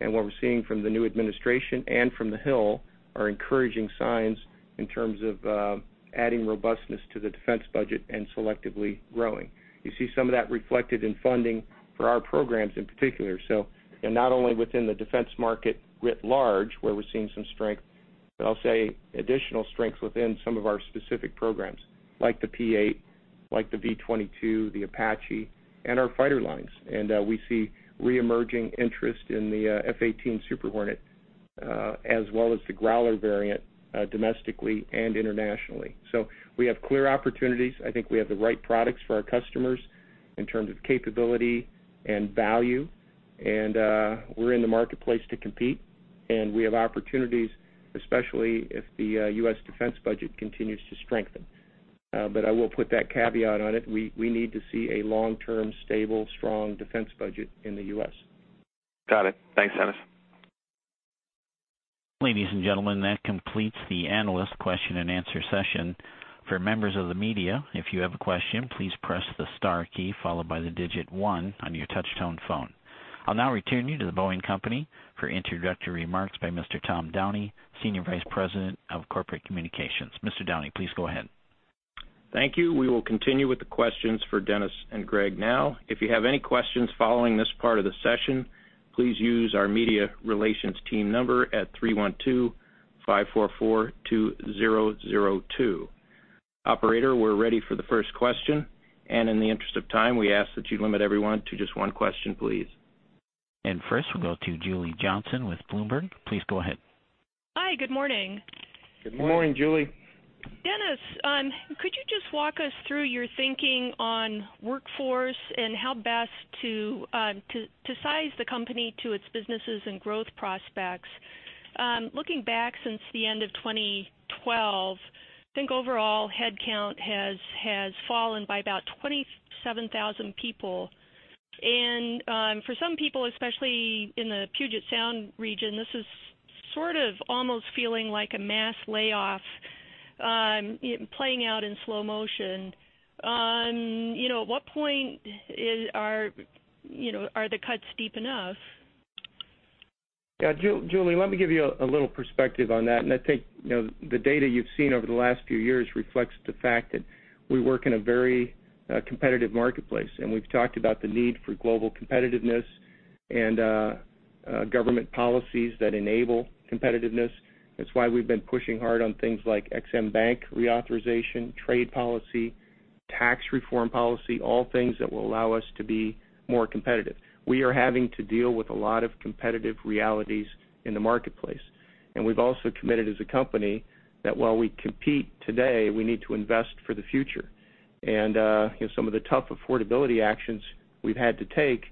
and what we're seeing from the new administration and from the Hill are encouraging signs in terms of adding robustness to the defense budget and selectively growing. You see some of that reflected in funding for our programs in particular. Not only within the defense market writ large, where we're seeing some strength, but I'll say additional strength within some of our specific programs like the P-8, like the V-22, the Apache, and our fighter lines. We see reemerging interest in the F/A-18 Super Hornet, as well as the Growler variant, domestically and internationally. We have clear opportunities. I think we have the right products for our customers in terms of capability and value. We're in the marketplace to compete, and we have opportunities, especially if the U.S. defense budget continues to strengthen. I will put that caveat on it. We need to see a long-term, stable, strong defense budget in the U.S. Got it. Thanks, Dennis. Ladies and gentlemen, that completes the analyst question and answer session. For members of the media, if you have a question, please press the star key followed by the digit one on your touch-tone phone. I'll now return you to The Boeing Company for introductory remarks by Mr. Tom Downey, Senior Vice President of Corporate Communications. Mr. Downey, please go ahead. Thank you. We will continue with the questions for Dennis and Greg now. If you have any questions following this part of the session, please use our media relations team number at 312-544-2002. Operator, we're ready for the first question. In the interest of time, we ask that you limit everyone to just one question, please. First, we'll go to Julie Johnsson with Bloomberg. Please go ahead. Hi, good morning. Good morning. Good morning, Julie. Dennis, could you just walk us through your thinking on workforce and how best to size the company to its businesses and growth prospects? Looking back since the end of 2012, I think overall headcount has fallen by about 27,000 people. For some people, especially in the Puget Sound region, this is sort of almost feeling like a mass layoff, playing out in slow motion. At what point are the cuts deep enough? Yeah, Julie, let me give you a little perspective on that. I think, the data you've seen over the last few years reflects the fact that we work in a very competitive marketplace, and we've talked about the need for global competitiveness and government policies that enable competitiveness. That's why we've been pushing hard on things like Ex-Im Bank reauthorization, trade policy, tax reform policy, all things that will allow us to be more competitive. We are having to deal with a lot of competitive realities in the marketplace. We've also committed as a company that while we compete today, we need to invest for the future. Some of the tough affordability actions we've had to take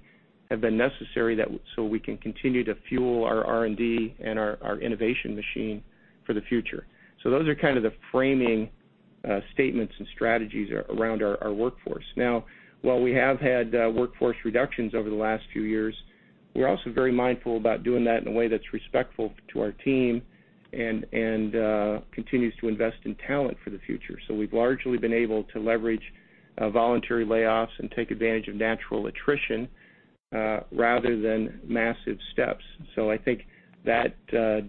have been necessary so we can continue to fuel our R&D and our innovation machine for the future. Those are kind of the framing statements and strategies around our workforce. Now, while we have had workforce reductions over the last few years, we're also very mindful about doing that in a way that's respectful to our team and continues to invest in talent for the future. We've largely been able to leverage voluntary layoffs and take advantage of natural attrition, rather than massive steps. I think that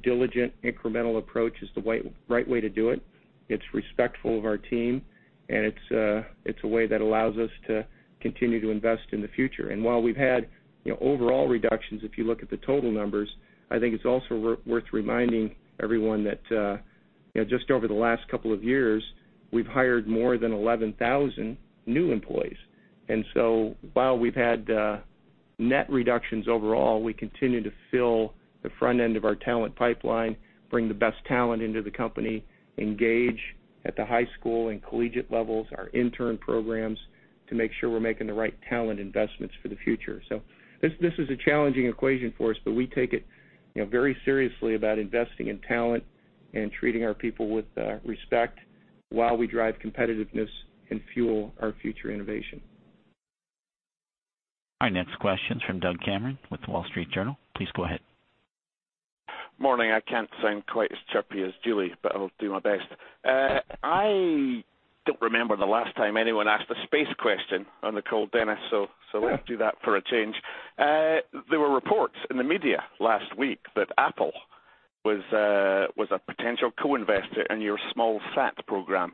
diligent, incremental approach is the right way to do it. It's respectful of our team, and it's a way that allows us to continue to invest in the future. While we've had overall reductions, if you look at the total numbers, I think it's also worth reminding everyone that just over the last couple of years, we've hired more than 11,000 new employees. While we've had net reductions overall, we continue to fill the front end of our talent pipeline, bring the best talent into the company, engage at the high school and collegiate levels, our intern programs, to make sure we're making the right talent investments for the future. This is a challenging equation for us, but we take it very seriously about investing in talent and treating our people with respect while we drive competitiveness and fuel our future innovation. Our next question's from Doug Cameron with The Wall Street Journal. Please go ahead. Morning. I can't sound quite as chirpy as Julie, but I'll do my best. I don't remember the last time anyone asked a space question on the call, Dennis. Let's do that for a change. There were reports in the media last week that Apple was a potential co-investor in your small sat program.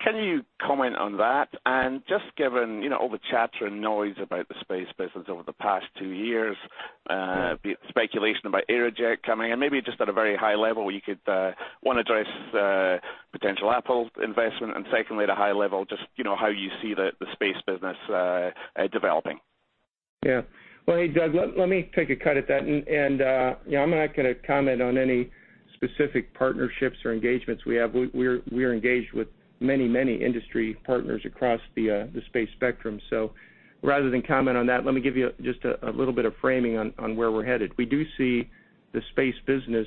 Can you comment on that? Just given all the chatter and noise about the space business over the past two years, be it speculation about Aerojet coming, maybe just at a very high level, you could, one, address potential Apple investment, and secondly, at a high level, just how you see the space business developing. Hey, Doug, let me take a cut at that. I'm not going to comment on any specific partnerships or engagements we have. We are engaged with many, many industry partners across the space Spectrum. Rather than comment on that, let me give you just a little bit of framing on where we're headed. We do see the space business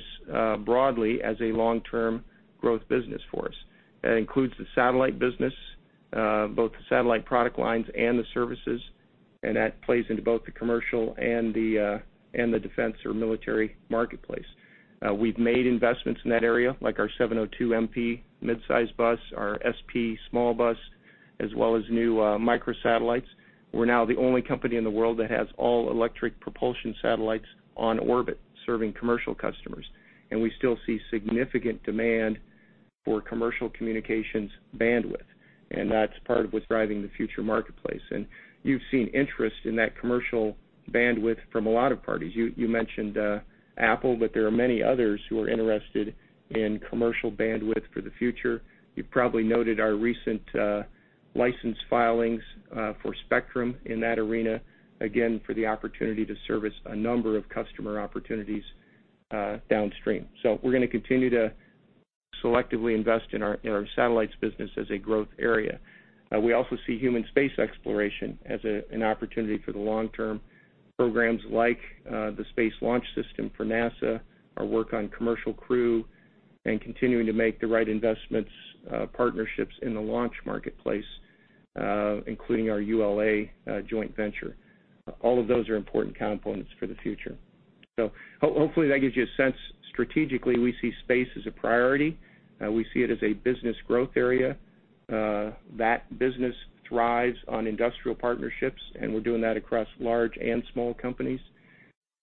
broadly as a long-term growth business for us. That includes the satellite business, both the satellite product lines and the services, and that plays into both the commercial and the defense or military marketplace. We've made investments in that area, like our 702MP mid-size bus, our 702SP small bus, as well as new microsatellites. We're now the only company in the world that has all-electric propulsion satellites on orbit, serving commercial customers. We still see significant demand for commercial communications bandwidth, that's part of what's driving the future marketplace. You've seen interest in that commercial bandwidth from a lot of parties. You mentioned Apple, but there are many others who are interested in commercial bandwidth for the future. You've probably noted our recent license filings for Spectrum in that arena, again, for the opportunity to service a number of customer opportunities downstream. We're going to continue to selectively invest in our satellites business as a growth area. We also see human space exploration as an opportunity for the long-term programs like the Space Launch System for NASA, our work on commercial crew, and continuing to make the right investments, partnerships in the launch marketplace, including our ULA joint venture. All of those are important components for the future. Hopefully that gives you a sense. Strategically, we see space as a priority. We see it as a business growth area. That business thrives on industrial partnerships, we're doing that across large and small companies.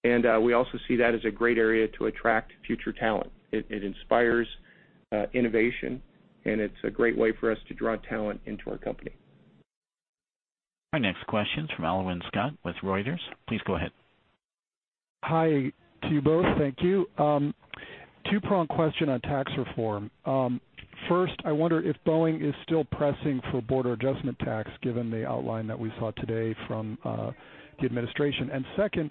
We also see that as a great area to attract future talent. It inspires innovation, it's a great way for us to draw talent into our company. Our next question's from Alwyn Scott with Reuters. Please go ahead. Hi to you both. Thank you. Two-prong question on tax reform. First, I wonder if Boeing is still pressing for border adjustment tax, given the outline that we saw today from the administration. Second,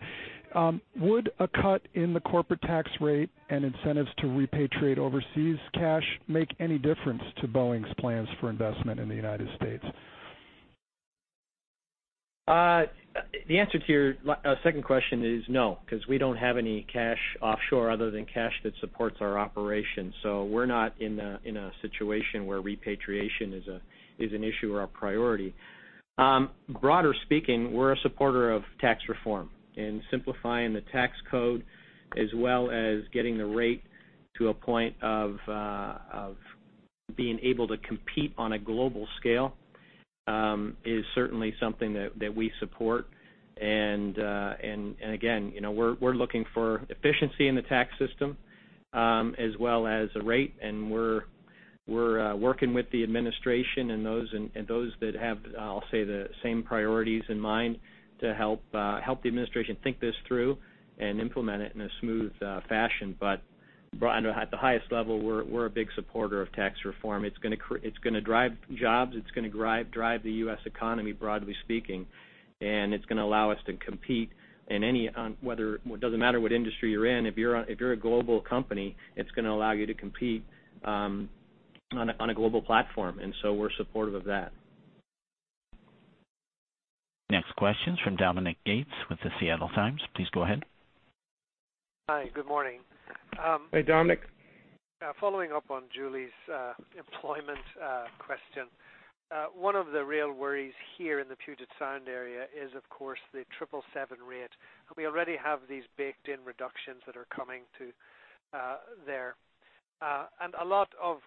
would a cut in the corporate tax rate and incentives to repatriate overseas cash make any difference to Boeing's plans for investment in the United States? The answer to your second question is no, because we don't have any cash offshore other than cash that supports our operations. We're not in a situation where repatriation is an issue or a priority. Broader speaking, we're a supporter of tax reform, and simplifying the tax code, as well as getting the rate to a point of being able to compete on a global scale, is certainly something that we support. Again, we're looking for efficiency in the tax system, as well as a rate, and we're working with the administration and those that have, I'll say, the same priorities in mind to help the administration think this through and implement it in a smooth fashion. At the highest level, we're a big supporter of tax reform. It's going to drive jobs. It's going to drive the U.S. economy, broadly speaking. It's going to allow us to compete in it doesn't matter what industry you're in. If you're a global company, it's going to allow you to compete on a global platform. We're supportive of that. Next question's from Dominic Gates with The Seattle Times. Please go ahead. Hi, good morning. Hey, Dominic. Following up on Julie's employment question. One of the real worries here in the Puget Sound area is, of course, the 777 rate. We already have these baked-in reductions that are coming to there. A lot of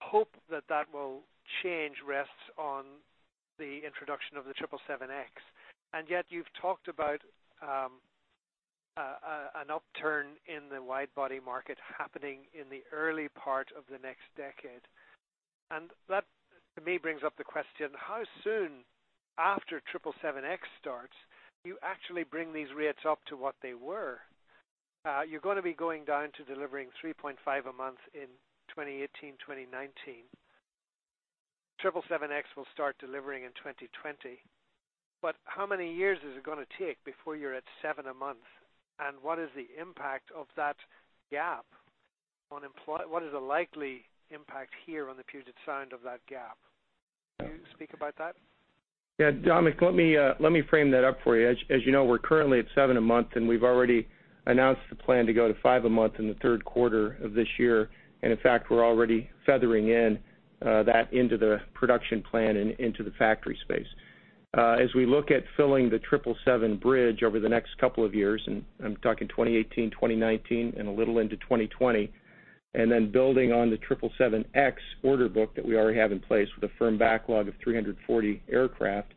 hope that that will change rests on the introduction of the 777X. Yet you've talked about an upturn in the wide-body market happening in the early part of the next decade. That, to me, brings up the question, how soon after 777X starts, do you actually bring these rates up to what they were? You're going to be going down to delivering 3.5 a month in 2018, 2019. 777X will start delivering in 2020. How many years is it going to take before you're at seven a month? What is the impact of that gap on what is the likely impact here on the Puget Sound of that gap? Can you speak about that? Yeah, Dominic, let me frame that up for you. As you know, we're currently at seven a month, and we've already announced the plan to go to five a month in the third quarter of this year. In fact, we're already feathering in that into the production plan and into the factory space. As we look at filling the 777 bridge over the next couple of years, I'm talking 2018, 2019, a little into 2020, then building on the 777X order book that we already have in place with a firm backlog of 340 aircraft,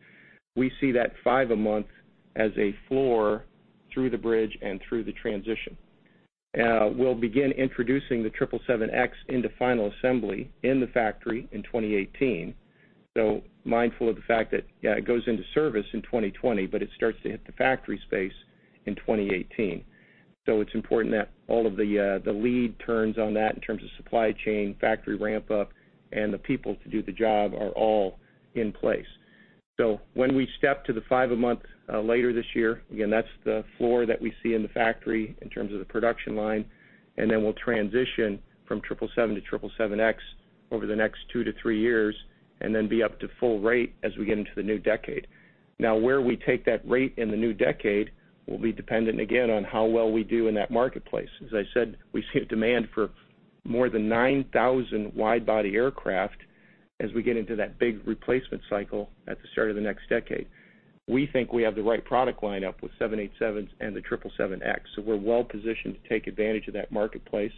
we see that five a month as a floor through the bridge and through the transition. We'll begin introducing the 777X into final assembly in the factory in 2018. Mindful of the fact that it goes into service in 2020, it starts to hit the factory space in 2018. It's important that all of the lead turns on that in terms of supply chain, factory ramp-up, and the people to do the job are all in place. When we step to the five a month later this year, again, that's the floor that we see in the factory in terms of the production line, then we'll transition from 777 to 777X over the next two to three years, then be up to full rate as we get into the new decade. Where we take that rate in the new decade will be dependent, again, on how well we do in that marketplace. As I said, we see a demand for more than 9,000 wide-body aircraft as we get into that big replacement cycle at the start of the next decade. We think we have the right product line up with 787s and the 777X. We're well positioned to take advantage of that marketplace.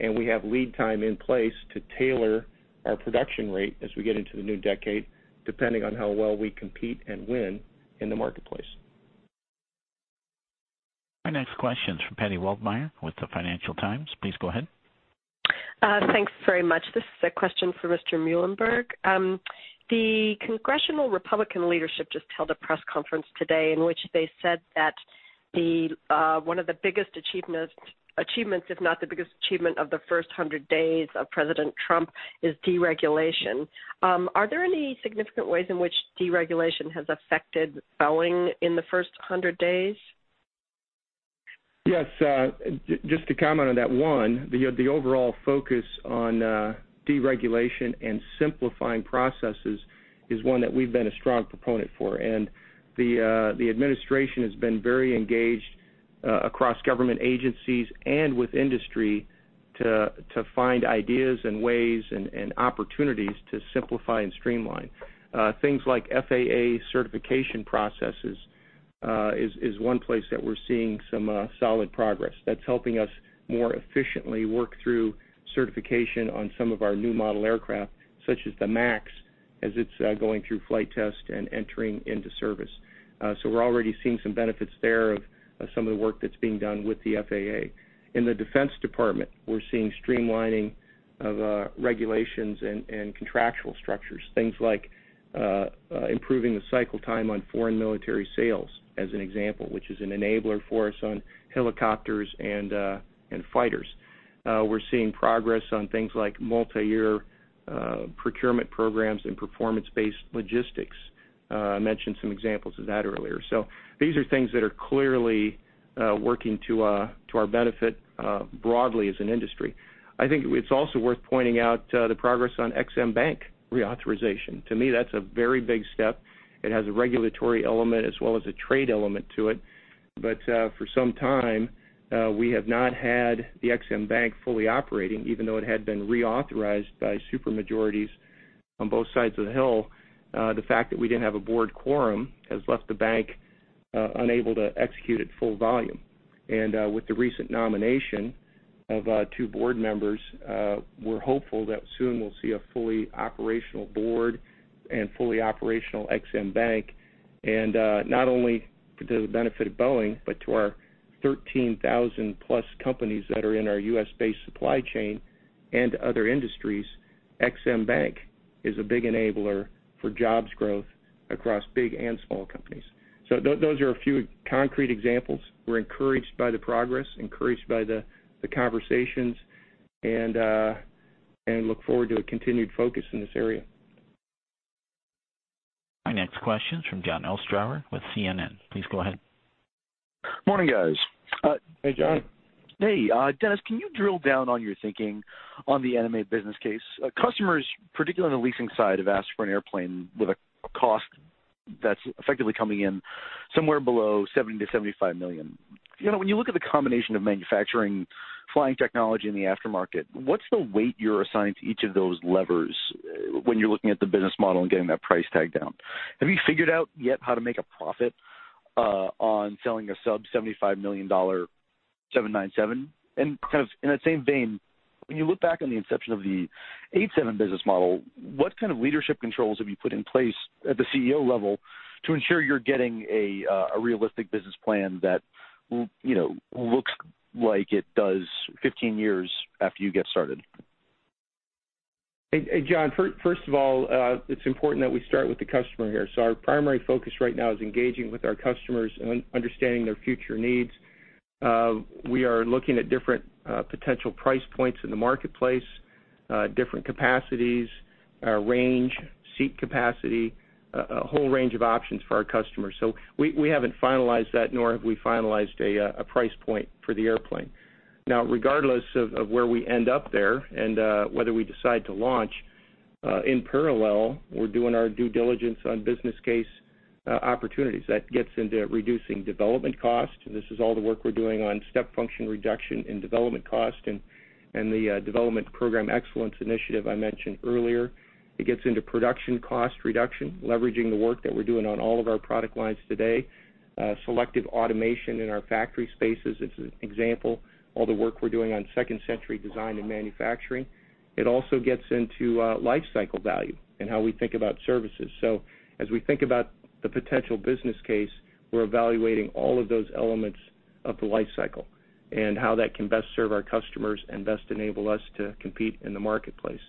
We have lead time in place to tailor our production rate as we get into the new decade, depending on how well we compete and win in the marketplace. Our next question's from Patti Waldmeir with the "Financial Times." Please go ahead. Thanks very much. This is a question for Mr. Muilenburg. The Congressional Republican leadership just held a press conference today in which they said that one of the biggest achievements, if not the biggest achievement of the first 100 days of President Trump, is deregulation. Are there any significant ways in which deregulation has affected Boeing in the first 100 days? Yes. Just to comment on that. One, the overall focus on deregulation and simplifying processes is one that we've been a strong proponent for. The administration has been very engaged across government agencies and with industry to find ideas and ways and opportunities to simplify and streamline. Things like FAA certification processes is one place that we're seeing some solid progress that's helping us more efficiently work through certification on some of our new model aircraft, such as the MAX, as it's going through flight test and entering into service. We're already seeing some benefits there of some of the work that's being done with the FAA. In the Defense Department, we're seeing streamlining of regulations and contractual structures, things like improving the cycle time on foreign military sales, as an example, which is an enabler for us on helicopters and fighters. We're seeing progress on things like multi-year procurement programs and performance-based logistics. I mentioned some examples of that earlier. These are things that are clearly working to our benefit, broadly as an industry. I think it's also worth pointing out the progress on Ex-Im Bank reauthorization. To me, that's a very big step. It has a regulatory element as well as a trade element to it. For some time, we have not had the Ex-Im Bank fully operating, even though it had been reauthorized by super majorities on both sides of the Hill. The fact that we didn't have a board quorum has left the bank unable to execute at full volume. With the recent nomination of two board members, we're hopeful that soon we'll see a fully operational board and fully operational Ex-Im Bank, and not only to the benefit of Boeing, but to our 13,000-plus companies that are in our U.S.-based supply chain and to other industries. Ex-Im Bank is a big enabler for jobs growth across big and small companies. Those are a few concrete examples. We're encouraged by the progress, encouraged by the conversations, and look forward to a continued focus in this area. Our next question is from Jon Ostrower with CNN. Please go ahead. Morning, guys. Hey, Jon. Hey. Dennis, can you drill down on your thinking on the NMA business case? Customers, particularly on the leasing side, have asked for an airplane with a cost that's effectively coming in somewhere below $70 million-$75 million. When you look at the combination of manufacturing, flying technology, and the aftermarket, what's the weight you're assigning to each of those levers when you're looking at the business model and getting that price tag down? Have you figured out yet how to make a profit on selling a sub-$75 million 797? Kind of in that same vein, when you look back on the inception of the 87 business model, what kind of leadership controls have you put in place at the CEO level to ensure you're getting a realistic business plan that looks like it does 15 years after you get started? Hey, Jon. First of all, it's important that we start with the customer here. Our primary focus right now is engaging with our customers and understanding their future needs. We are looking at different potential price points in the marketplace, different capacities, range, seat capacity, a whole range of options for our customers. We haven't finalized that, nor have we finalized a price point for the airplane. Now, regardless of where we end up there and whether we decide to launch, in parallel, we're doing our due diligence on business case opportunities. That gets into reducing development costs, and this is all the work we're doing on step function reduction in development cost and the Development Program Excellence initiative I mentioned earlier. It gets into production cost reduction, leveraging the work that we're doing on all of our product lines today. Selective automation in our factory spaces is an example. All the work we're doing on second-century design and manufacturing. It also gets into life cycle value and how we think about services. As we think about the potential business case, we're evaluating all of those elements of the life cycle and how that can best serve our customers and best enable us to compete in the marketplace.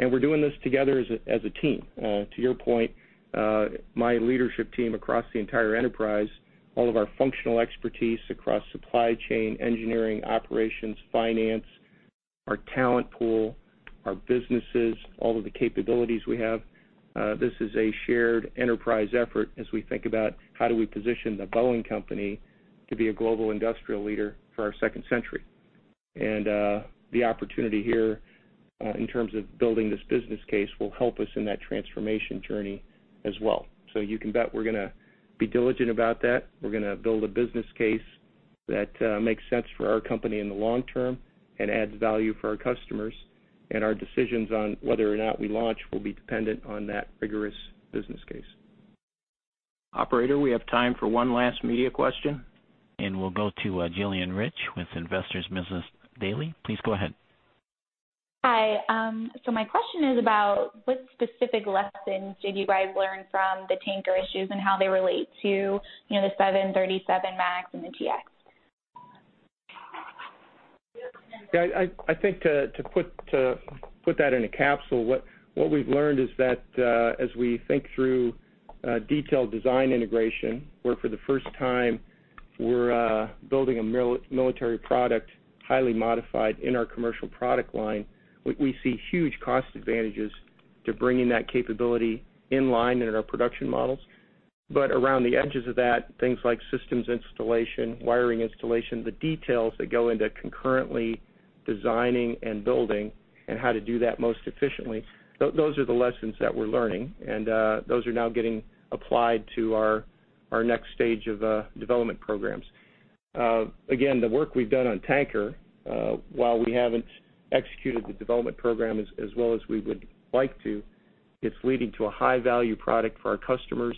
We're doing this together as a team. To your point, my leadership team across the entire enterprise, all of our functional expertise across supply chain, engineering, operations, finance, our talent pool, our businesses, all of the capabilities we have, this is a shared enterprise effort as we think about how do we position The Boeing Company to be a global industrial leader for our second century. The opportunity here, in terms of building this business case, will help us in that transformation journey as well. You can bet we're going to be diligent about that. We're going to build a business case that makes sense for our company in the long term and adds value for our customers. Our decisions on whether or not we launch will be dependent on that rigorous business case. Operator, we have time for one last media question. We'll go to Gillian Rich with Investor's Business Daily. Please go ahead. Hi. My question is about what specific lessons did you guys learn from the Tanker issues and how they relate to the 737 MAX and the T-X? I think to put that in a capsule, what we've learned is that, as we think through detailed design integration, where for the first time, we're building a military product, highly modified in our commercial product line, we see huge cost advantages to bringing that capability in line in our production models. Around the edges of that, things like systems installation, wiring installation, the details that go into concurrently designing and building and how to do that most efficiently, those are the lessons that we're learning, and those are now getting applied to our next stage of development programs. The work we've done on Tanker, while we haven't executed the development program as well as we would like to, it's leading to a high-value product for our customers.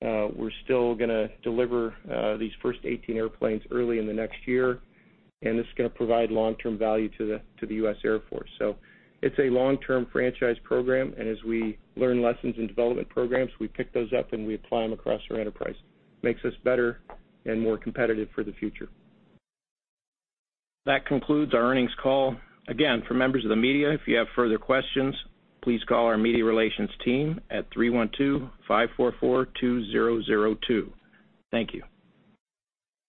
We're still going to deliver these first 18 airplanes early in the next year. This is going to provide long-term value to the U.S. Air Force. It's a long-term franchise program. As we learn lessons in development programs, we pick those up, and we apply them across our enterprise. This makes us better and more competitive for the future. That concludes our earnings call. For members of the media, if you have further questions, please call our media relations team at 312-544-2002. Thank you.